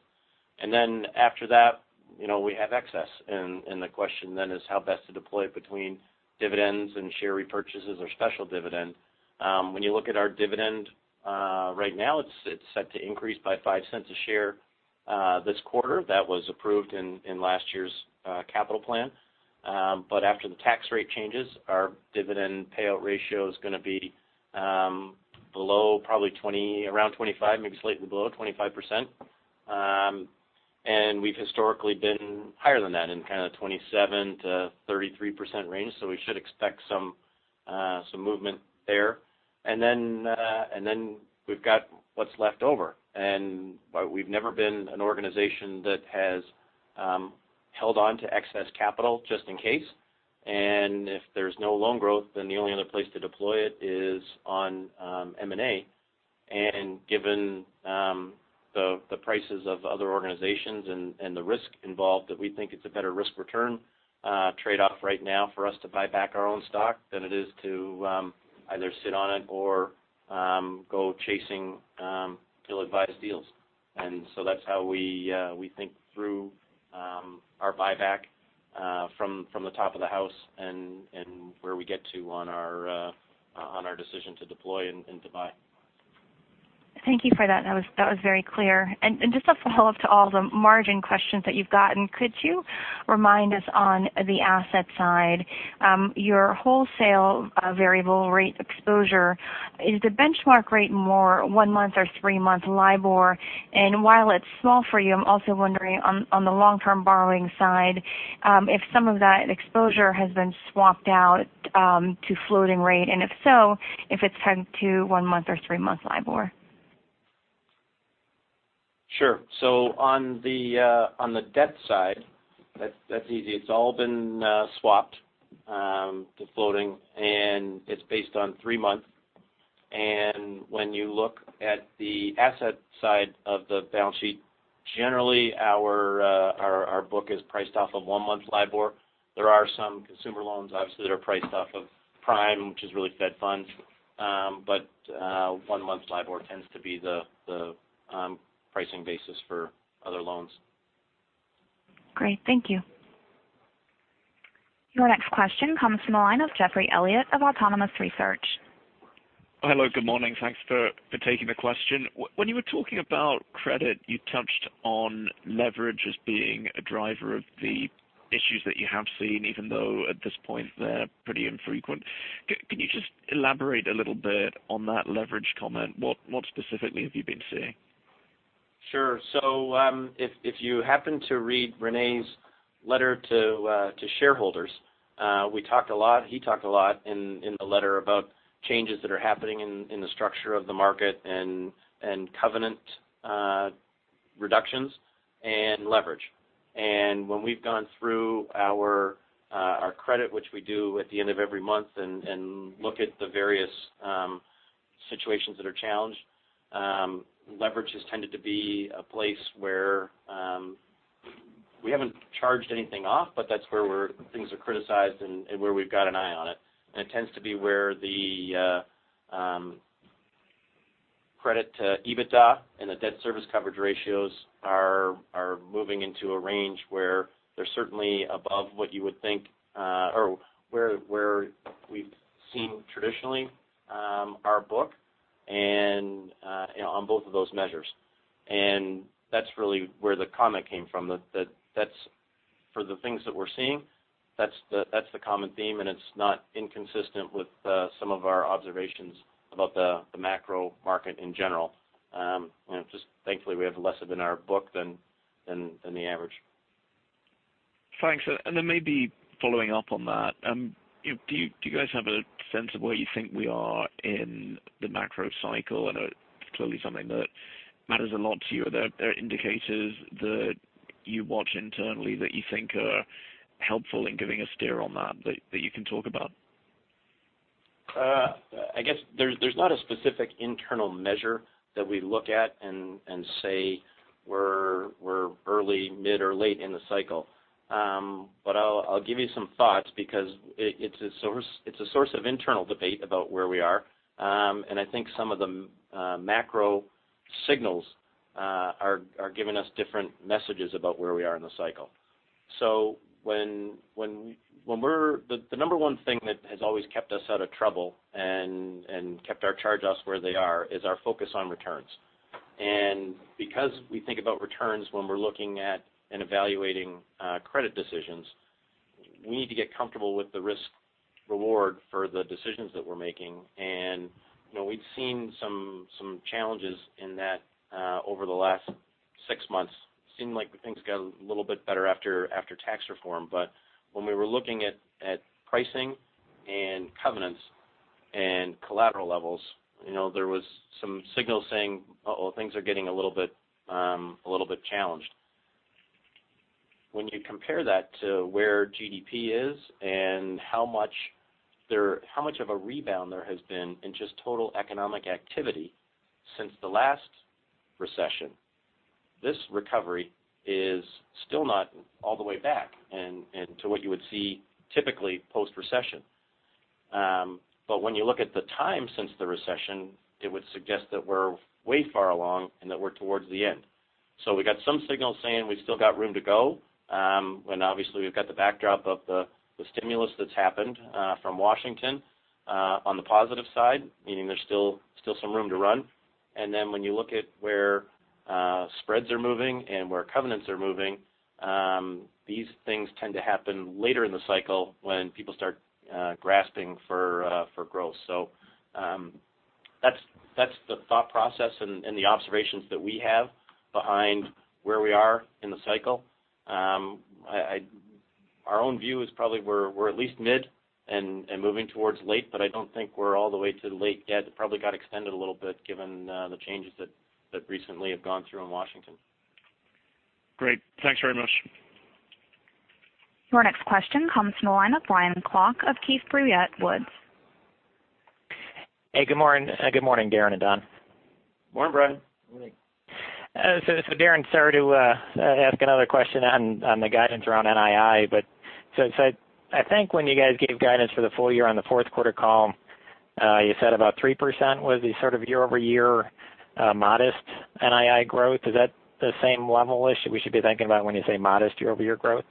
After that, we have excess, and the question then is how best to deploy it between dividends and share repurchases or special dividend. When you look at our dividend right now, it's set to increase by $0.05 a share this quarter. That was approved in last year's capital plan. After the tax rate changes, our dividend payout ratio is going to be below probably around 25%, maybe slightly below 25%. We've historically been higher than that in kind of the 27%-33% range, so we should expect some movement there. We've got what's left over. We've never been an organization that has held on to excess capital just in case, and if there's no loan growth, then the only other place to deploy it is on M&A. Given the prices of other organizations and the risk involved, that we think it's a better risk-return trade-off right now for us to buy back our own stock than it is to either sit on it or go chasing ill-advised deals. That's how we think through our buyback from the top of the house and where we get to on our decision to deploy and to buy. Thank you for that. That was very clear. Just a follow-up to all the margin questions that you've gotten, could you remind us on the asset side your wholesale variable rate exposure, is the benchmark rate more one-month or three-month LIBOR? While it's small for you, I'm also wondering on the long-term borrowing side if some of that exposure has been swapped out to floating rate, and if so, if it's pegged to one-month or three-month LIBOR. Sure. On the debt side, that's easy. It's all been swapped to floating, and it's based on three-month. When you look at the asset side of the balance sheet, generally our book is priced off of one-month LIBOR. There are some consumer loans, obviously, that are priced off of Prime, which is really Fed funds. One-month LIBOR tends to be the pricing basis for other loans. Great. Thank you. Your next question comes from the line of Geoffrey Elliott of Autonomous Research. Hello, good morning. Thanks for taking the question. When you were talking about credit, you touched on leverage as being a driver of the issues that you have seen, even though at this point they're pretty infrequent. Can you just elaborate a little bit on that leverage comment? What specifically have you been seeing? Sure. If you happen to read René's letter to shareholders, he talked a lot in the letter about changes that are happening in the structure of the market and covenant reductions and leverage. When we've gone through our credit, which we do at the end of every month, and look at the various situations that are challenged, leverage has tended to be a place where we haven't charged anything off, but that's where things are criticized and where we've got an eye on it. It tends to be where the credit to EBITDA and the debt service coverage ratios are moving into a range where they're certainly above what you would think or where we've seen traditionally our book on both of those measures. That's really where the comment came from. For the things that we're seeing, that's the common theme, and it's not inconsistent with some of our observations about the macro market in general. Just thankfully, we have less of it in our book than the average. Thanks. Maybe following up on that, do you guys have a sense of where you think we are in the macro cycle? I know it's clearly something that matters a lot to you. Are there indicators that you watch internally that you think are helpful in giving a steer on that you can talk about? I guess there's not a specific internal measure that we look at and say we're early, mid, or late in the cycle. I'll give you some thoughts because it's a source of internal debate about where we are. I think some of the macro signals are giving us different messages about where we are in the cycle. The number one thing that has always kept us out of trouble and kept our charge-offs where they are is our focus on returns. Because we think about returns when we're looking at and evaluating credit decisions, we need to get comfortable with the risk reward for the decisions that we're making. We've seen some challenges in that over the last six months. It seemed like things got a little bit better after tax reform. When we were looking at pricing and covenants and collateral levels. There was some signals saying, "Uh-oh, things are getting a little bit challenged." When you compare that to where GDP is and how much of a rebound there has been in just total economic activity since the last recession, this recovery is still not all the way back to what you would see typically post-recession. When you look at the time since the recession, it would suggest that we're way far along and that we're towards the end. We've got some signals saying we've still got room to go. When obviously we've got the backdrop of the stimulus that's happened from Washington on the positive side, meaning there's still some room to run. When you look at where spreads are moving and where covenants are moving, these things tend to happen later in the cycle when people start grasping for growth. That's the thought process and the observations that we have behind where we are in the cycle. Our own view is probably we're at least mid and moving towards late, but I don't think we're all the way to late yet. It probably got extended a little bit given the changes that recently have gone through in Washington. Great. Thanks very much. Your next question comes from the line of Brian Klock of Keefe, Bruyette & Woods. Hey, good morning, Darren and Don. Morning, Brian. Darren, sorry to ask another question on the guidance around NII, I think when you guys gave guidance for the full year on the fourth quarter call, you said about 3% was the sort of year-over-year modest NII growth. Is that the same level we should be thinking about when you say modest year-over-year growth?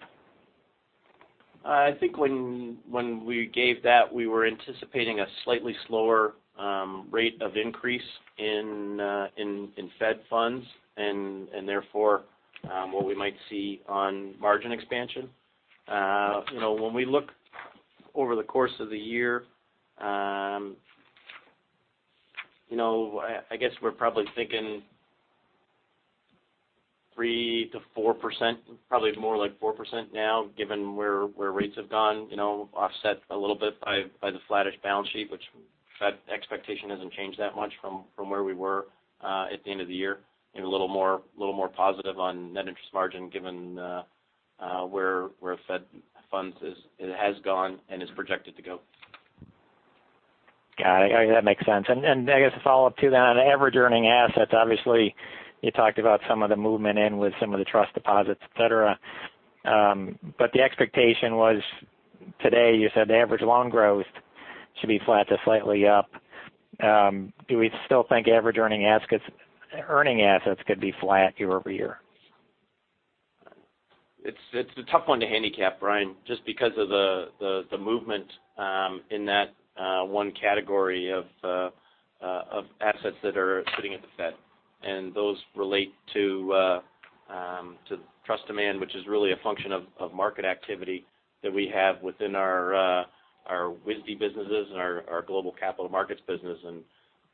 I think when we gave that, we were anticipating a slightly slower rate of increase in Fed funds and therefore, what we might see on margin expansion. When we look over the course of the year, I guess we're probably thinking 3%-4%, probably more like 4% now, given where rates have gone, offset a little bit by the flattish balance sheet, which that expectation hasn't changed that much from where we were at the end of the year, and a little more positive on net interest margin given where Fed funds has gone and is projected to go. Got it. That makes sense. I guess a follow-up to that, on average earning assets, obviously, you talked about some of the movement in with some of the trust deposits, et cetera. The expectation was today you said the average loan growth should be flat to slightly up. Do we still think average earning assets could be flat year-over-year? It's a tough one to handicap, Brian, just because of the movement in that one category of assets that are sitting at the Fed, and those relate to trust demand, which is really a function of market activity that we have within our WISD businesses and our global capital markets business.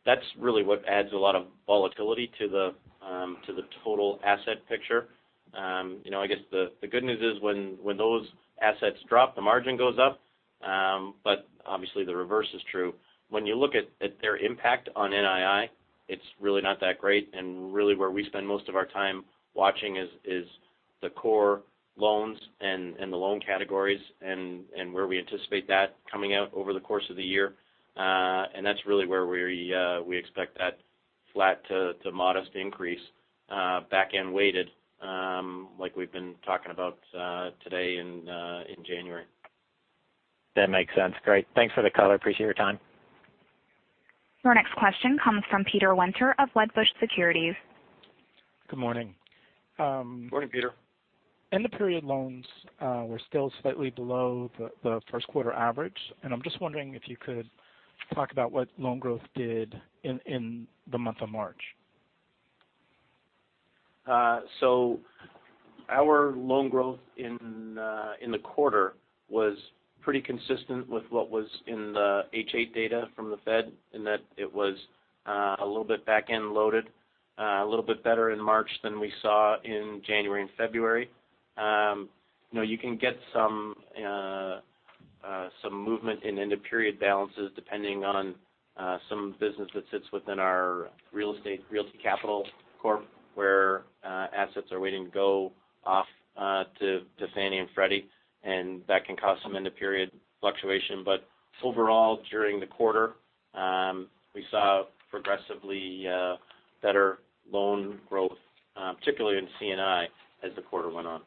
That's really what adds a lot of volatility to the total asset picture. I guess the good news is when those assets drop, the margin goes up. Obviously the reverse is true. When you look at their impact on NII, it's really not that great, and really where we spend most of our time watching is the core loans and the loan categories and where we anticipate that coming out over the course of the year. That's really where we expect that flat to modest increase back-end weighted, like we've been talking about today and in January. That makes sense. Great. Thanks for the color. I appreciate your time. Your next question comes from Peter Winter of Wedbush Securities. Good morning. Morning, Peter. End of period loans were still slightly below the first quarter average. I'm just wondering if you could talk about what loan growth did in the month of March. Our loan growth in the quarter was pretty consistent with what was in the H8 data from the Fed in that it was a little bit back-end loaded, a little bit better in March than we saw in January and February. You can get some movement in end-of-period balances depending on some business that sits within our real estate Realty Capital Corp, where assets are waiting to go off to Fannie and Freddie, and that can cause some end-of-period fluctuation. Overall, during the quarter, we saw progressively better loan growth, particularly in C&I as the quarter went on.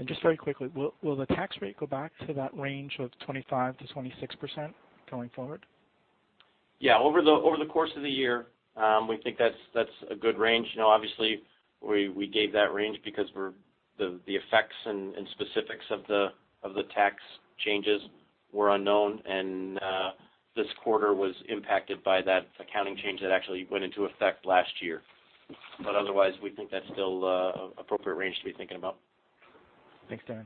Great. Just very quickly, will the tax rate go back to that range of 25%-26% going forward? Yeah. Over the course of the year, we think that's a good range. Obviously we gave that range because the effects and specifics of the tax changes were unknown, and this quarter was impacted by that accounting change that actually went into effect last year. Otherwise, we think that's still appropriate range to be thinking about. Thanks, Darren.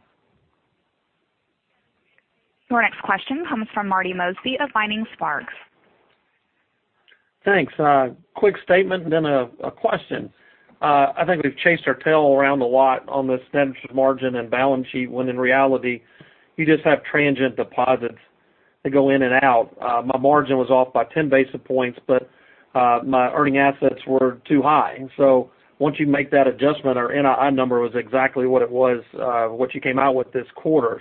Your next question comes from Marty Mosby of Vining Sparks. Thanks. Quick statement, and then a question. I think we've chased our tail around a lot on this net margin and balance sheet, when in reality, you just have transient deposits that go in and out. My margin was off by 10 basis points, but my earning assets were too high. Once you make that adjustment, our NII number was exactly what it was, what you came out with this quarter.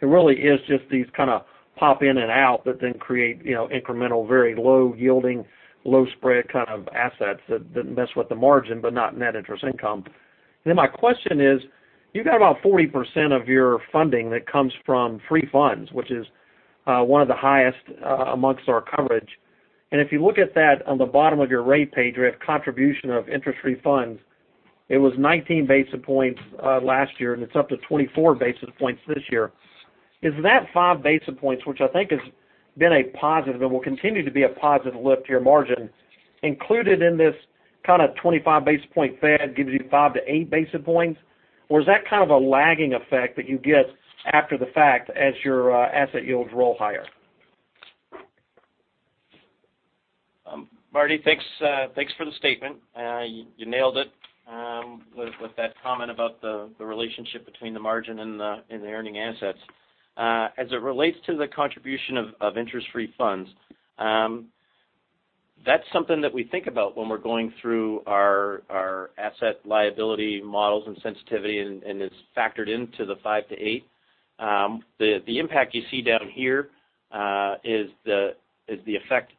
It really is just these kind of pop in and out that then create incremental, very low yielding, low spread kind of assets that mess with the margin, but not net interest income. My question is, you've got about 40% of your funding that comes from free funds, which is one of the highest amongst our coverage. If you look at that on the bottom of your rate page, where you have contribution of interest free funds, it was 19 basis points last year, and it's up to 24 basis points this year. Is that five basis points, which I think has been a positive and will continue to be a positive lift to your margin, included in this kind of 25 basis point Fed gives you five to eight basis points? Is that kind of a lagging effect that you get after the fact as your asset yields roll higher? Marty, thanks for the statement. You nailed it with that comment about the relationship between the margin and the earning assets. As it relates to the contribution of interest-free funds, that's something that we think about when we're going through our asset liability models and sensitivity, and it's factored into the five to eight. The impact you see down here is the effect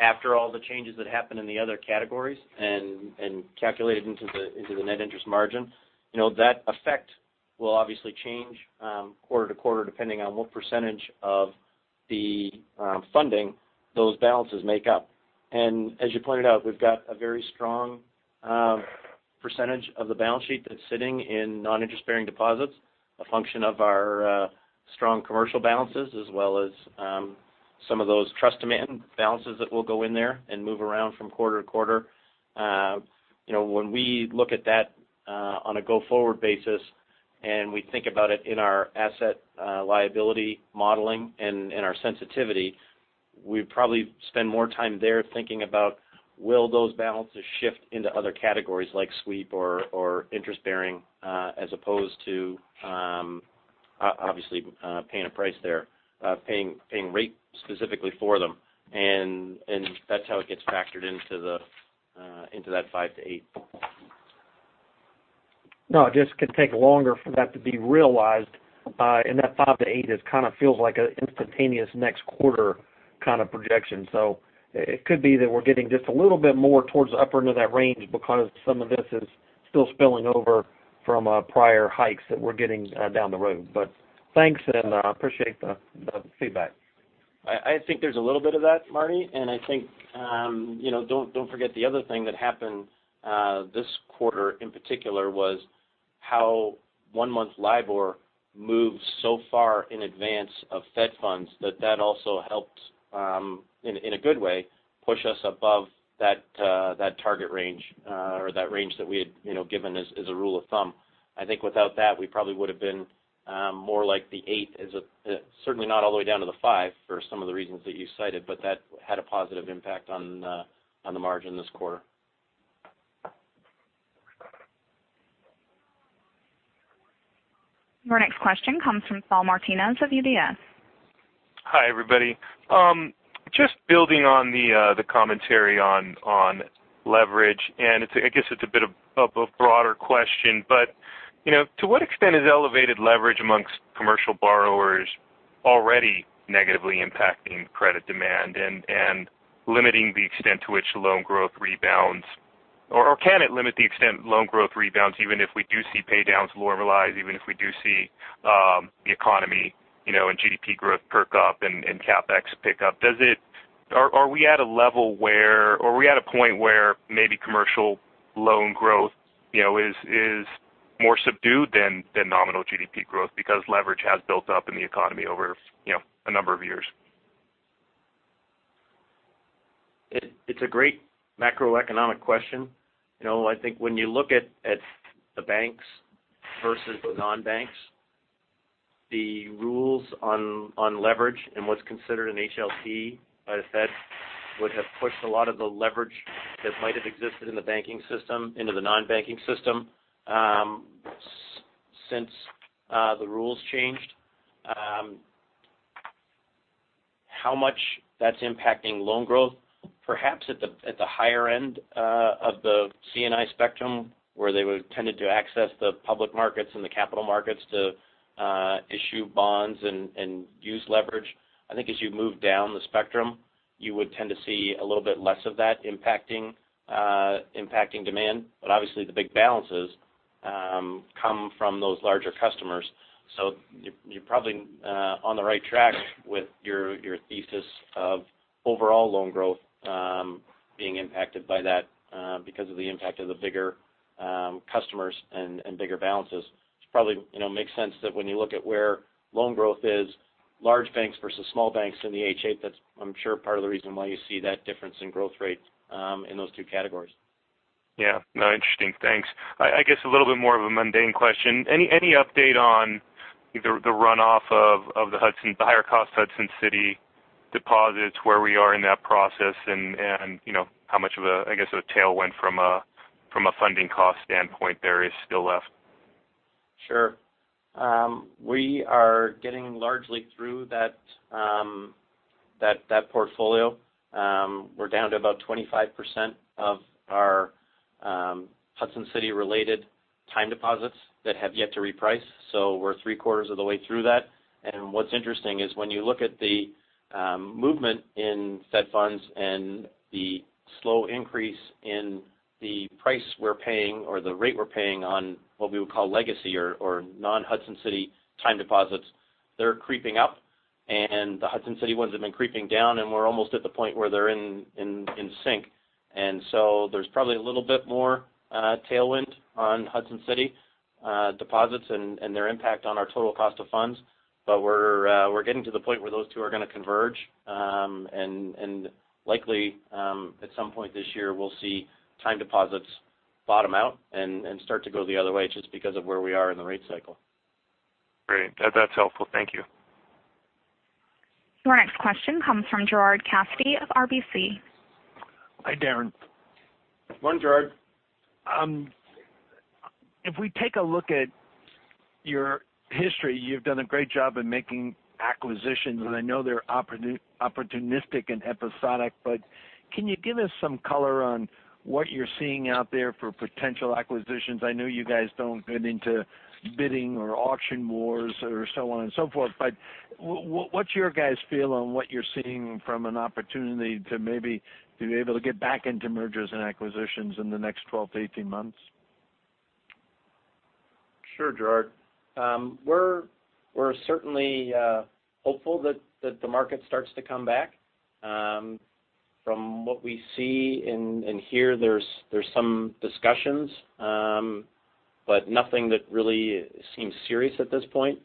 after all the changes that happened in the other categories and calculated into the net interest margin. That effect will obviously change quarter to quarter, depending on what percentage of the funding those balances make up. As you pointed out, we've got a very strong percentage of the balance sheet that's sitting in non-interest bearing deposits, a function of our strong commercial balances, as well as some of those trust demand balances that will go in there and move around from quarter to quarter. When we look at that on a go forward basis and we think about it in our asset liability modeling and in our sensitivity, we probably spend more time there thinking about will those balances shift into other categories like sweep or interest bearing as opposed to obviously paying a price there, paying rate specifically for them. That's how it gets factored into that five to eight. No, it just could take longer for that to be realized. That five to eight just kind of feels like an instantaneous next quarter kind of projection. It could be that we're getting just a little bit more towards the upper end of that range because some of this is still spilling over from prior hikes that we're getting down the road. Thanks, and I appreciate the feedback. I think there's a little bit of that, Marty, and I think don't forget the other thing that happened this quarter in particular was how one month LIBOR moved so far in advance of Fed funds that that also helped, in a good way, push us above that target range or that range that we had given as a rule of thumb. I think without that, we probably would have been more like the eight. Certainly not all the way down to the five for some of the reasons that you cited, but that had a positive impact on the margin this quarter. Your next question comes from Saul Martinez of UBS. Hi, everybody. Just building on the commentary on leverage, and I guess it's a bit of a broader question, but to what extent is elevated leverage amongst commercial borrowers already negatively impacting credit demand and limiting the extent to which loan growth rebounds? Can it limit the extent loan growth rebounds, even if we do see pay downs normalize, even if we do see the economy and GDP growth perk up and CapEx pick up? Are we at a point where maybe commercial loan growth is more subdued than nominal GDP growth because leverage has built up in the economy over a number of years? It's a great macroeconomic question. I think when you look at the banks versus the non-banks, the rules on leverage and what's considered an HVCRE by the Fed would have pushed a lot of the leverage that might have existed in the banking system into the non-banking system since the rules changed. How much that's impacting loan growth, perhaps at the higher end of the C&I spectrum, where they would tended to access the public markets and the capital markets to issue bonds and use leverage. I think as you move down the spectrum, you would tend to see a little bit less of that impacting demand. Obviously the big balances come from those larger customers. You're probably on the right track with your thesis of overall loan growth being impacted by that because of the impact of the bigger customers and bigger balances. It probably makes sense that when you look at where loan growth is, large banks versus small banks in the H8, that's I'm sure part of the reason why you see that difference in growth rates in those two categories. Yeah. No, interesting. Thanks. I guess a little bit more of a mundane question. Any update on either the runoff of the higher cost Hudson City deposits, where we are in that process and how much of a tailwind from a funding cost standpoint there is still left? Sure. We are getting largely through that portfolio. We're down to about 25% of our Hudson City related time deposits that have yet to reprice. We're three quarters of the way through that. What's interesting is when you look at the movement in Fed funds and the slow increase in the price we're paying or the rate we're paying on what we would call legacy or non-Hudson City time deposits, they're creeping up, and the Hudson City ones have been creeping down, and we're almost at the point where they're in sync. There's probably a little bit more tailwind on Hudson City deposits and their impact on our total cost of funds. We're getting to the point where those two are going to converge. Likely, at some point this year, we'll see time deposits bottom out and start to go the other way just because of where we are in the rate cycle. Great. That's helpful. Thank you. Your next question comes from Gerard Cassidy of RBC. Hi, Darren. Morning, Gerard. If we take a look at your history, you've done a great job in making acquisitions, and I know they're opportunistic and episodic. Can you give us some color on what you're seeing out there for potential acquisitions? I know you guys don't get into bidding or auction wars or so on and so forth. What's your guys feel on what you're seeing from an opportunity to maybe be able to get back into mergers and acquisitions in the next 12 to 18 months? Sure, Gerard. We're certainly hopeful that the market starts to come back. From what we see and hear, there's some discussions, but nothing that really seems serious at this point.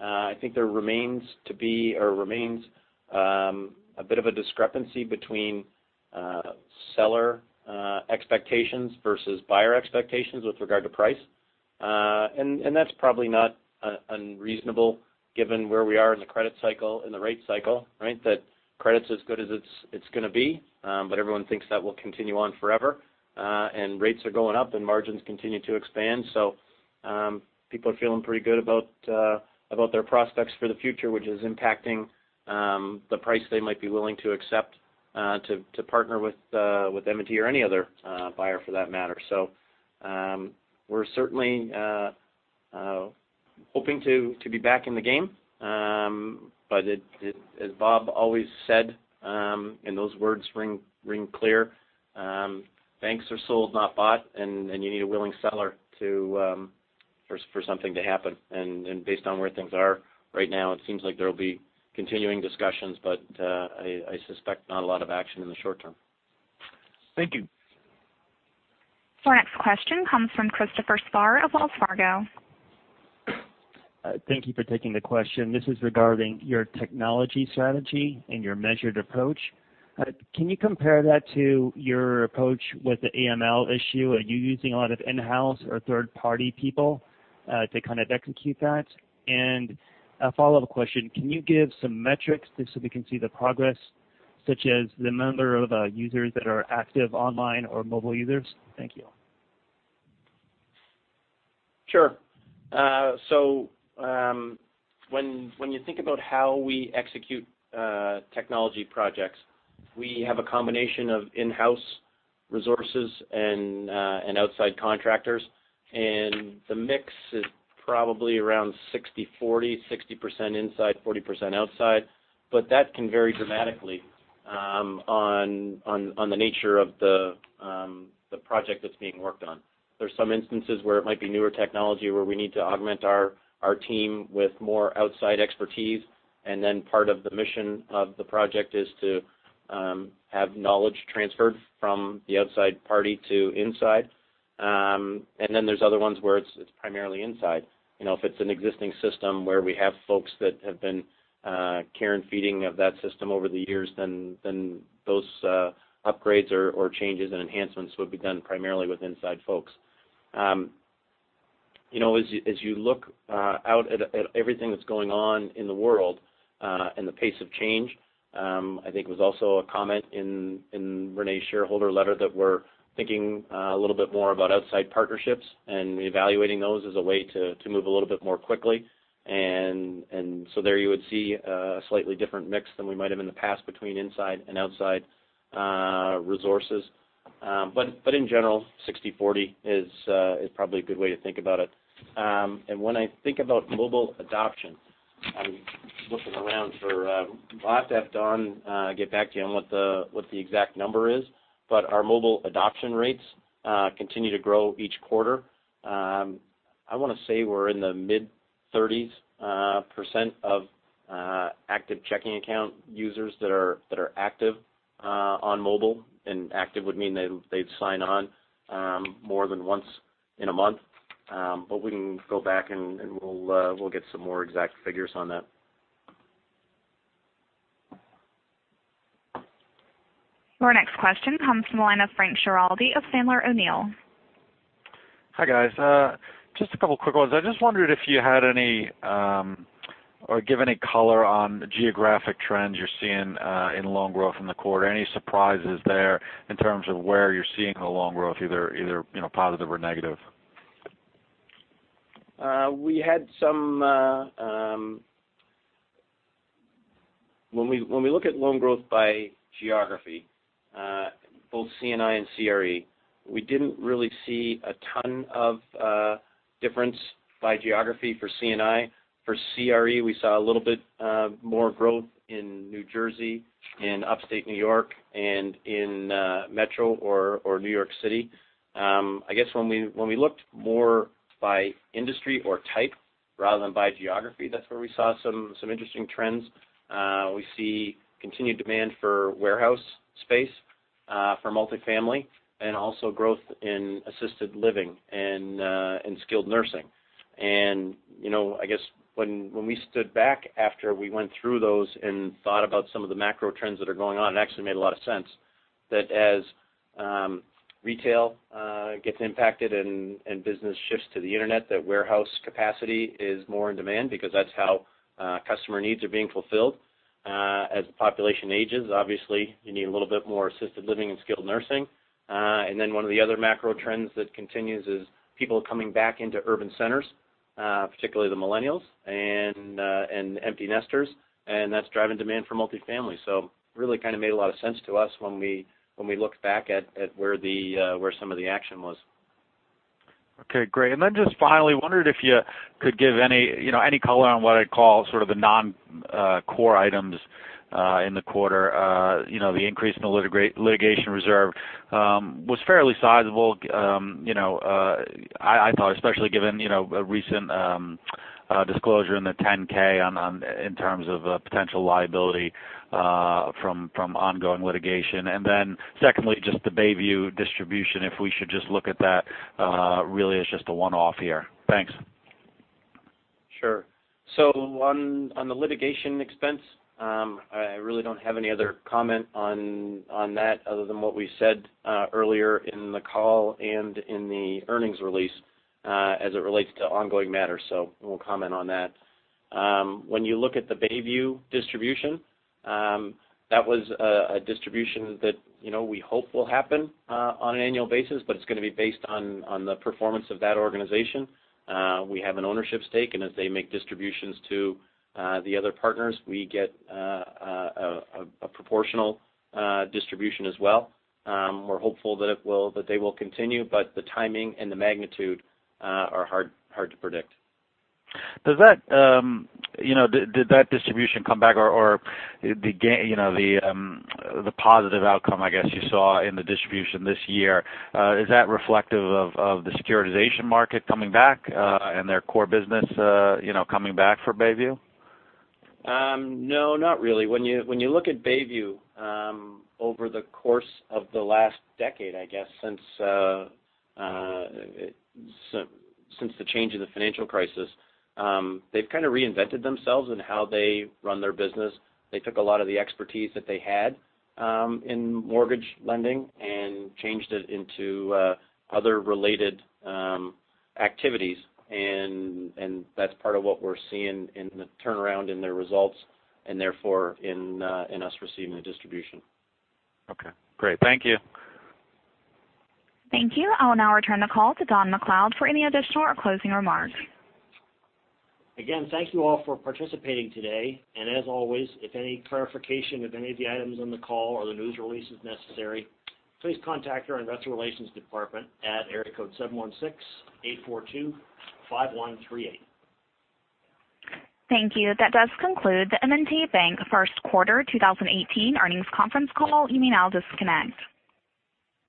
I think there remains a bit of a discrepancy between seller expectations versus buyer expectations with regard to price. That's probably not unreasonable given where we are in the credit cycle, in the rate cycle, right? That credit's as good as it's going to be. Everyone thinks that will continue on forever. Rates are going up and margins continue to expand. People are feeling pretty good about their prospects for the future, which is impacting the price they might be willing to accept to partner with M&T or any other buyer for that matter. We're certainly hoping to be back in the game. As Bob always said, and those words ring clear, banks are sold, not bought, and you need a willing seller for something to happen. Based on where things are right now, it seems like there'll be continuing discussions, but I suspect not a lot of action in the short term. Thank you. Our next question comes from Christopher Spahr of Wells Fargo. Thank you for taking the question. This is regarding your technology strategy and your measured approach. Can you compare that to your approach with the AML issue? Are you using a lot of in-house or third-party people to kind of execute that? A follow-up question, can you give some metrics just so we can see the progress, such as the number of users that are active online or mobile users? Thank you. Sure. When you think about how we execute technology projects, we have a combination of in-house resources and outside contractors. The mix is probably around 60/40, 60% inside, 40% outside. That can vary dramatically on the nature of the project that's being worked on. There's some instances where it might be newer technology where we need to augment our team with more outside expertise, and then part of the mission of the project is to have knowledge transferred from the outside party to inside. Then there's other ones where it's primarily inside. If it's an existing system where we have folks that have been care and feeding of that system over the years, then those upgrades or changes and enhancements would be done primarily with inside folks. As you look out at everything that's going on in the world and the pace of change, I think it was also a comment in René's shareholder letter that we're thinking a little bit more about outside partnerships and evaluating those as a way to move a little bit more quickly. There you would see a slightly different mix than we might have in the past between inside and outside resources. In general, 60/40 is probably a good way to think about it. When I think about mobile adoption, I'm looking around for I'll have to have Don get back to you on what the exact number is. Our mobile adoption rates continue to grow each quarter. I want to say we're in the mid-30s% of active checking account users that are active on mobile, active would mean they'd sign on more than once in a month. We can go back and we'll get some more exact figures on that. Your next question comes from the line of Frank Schiraldi of Sandler O'Neill. Hi, guys. Just a couple quick ones. I just wondered if you had any or give any color on the geographic trends you're seeing in loan growth in the quarter. Any surprises there in terms of where you're seeing the loan growth, either positive or negative? When we look at loan growth by geography, both C&I and CRE, we didn't really see a ton of difference by geography for C&I. For CRE, we saw a little bit more growth in New Jersey and upstate New York and in Metro or New York City. I guess when we looked more by industry or type rather than by geography, that's where we saw some interesting trends. We see continued demand for warehouse space, for multifamily, and also growth in assisted living and skilled nursing. I guess when we stood back after we went through those and thought about some of the macro trends that are going on, it actually made a lot of sense that as retail gets impacted and business shifts to the internet, that warehouse capacity is more in demand because that's how customer needs are being fulfilled. As the population ages, obviously, you need a little bit more assisted living and skilled nursing. One of the other macro trends that continues is people coming back into urban centers, particularly the millennials and empty nesters, and that's driving demand for multifamily. Really kind of made a lot of sense to us when we look back at where some of the action was. Okay, great. Just finally, wondered if you could give any color on what I'd call sort of the non-core items in the quarter. The increase in the litigation reserve was fairly sizable. I thought especially given a recent disclosure in the 10-K in terms of potential liability from ongoing litigation. Secondly, just the Bayview distribution, if we should just look at that really as just a one-off here. Thanks. Sure. On the litigation expense, I really don't have any other comment on that other than what we said earlier in the call and in the earnings release as it relates to ongoing matters. We'll comment on that. When you look at the Bayview distribution, that was a distribution that we hope will happen on an annual basis, but it's going to be based on the performance of that organization. We have an ownership stake, and as they make distributions to the other partners, we get a proportional distribution as well. We're hopeful that they will continue, but the timing and the magnitude are hard to predict. Did that distribution come back or the positive outcome, I guess you saw in the distribution this year, is that reflective of the securitization market coming back and their core business coming back for Bayview? No, not really. When you look at Bayview over the course of the last decade, I guess since the change in the financial crisis, they've kind of reinvented themselves in how they run their business. They took a lot of the expertise that they had in mortgage lending and changed it into other related activities, and that's part of what we're seeing in the turnaround in their results and therefore in us receiving the distribution. Okay, great. Thank you. Thank you. I will now return the call to Don MacLeod for any additional or closing remarks. Again, thank you all for participating today, and as always, if any clarification of any of the items on the call or the news release is necessary, please contact our investor relations department at area code 716-842-5138. Thank you. That does conclude the M&T Bank first quarter 2018 earnings conference call. You may now disconnect.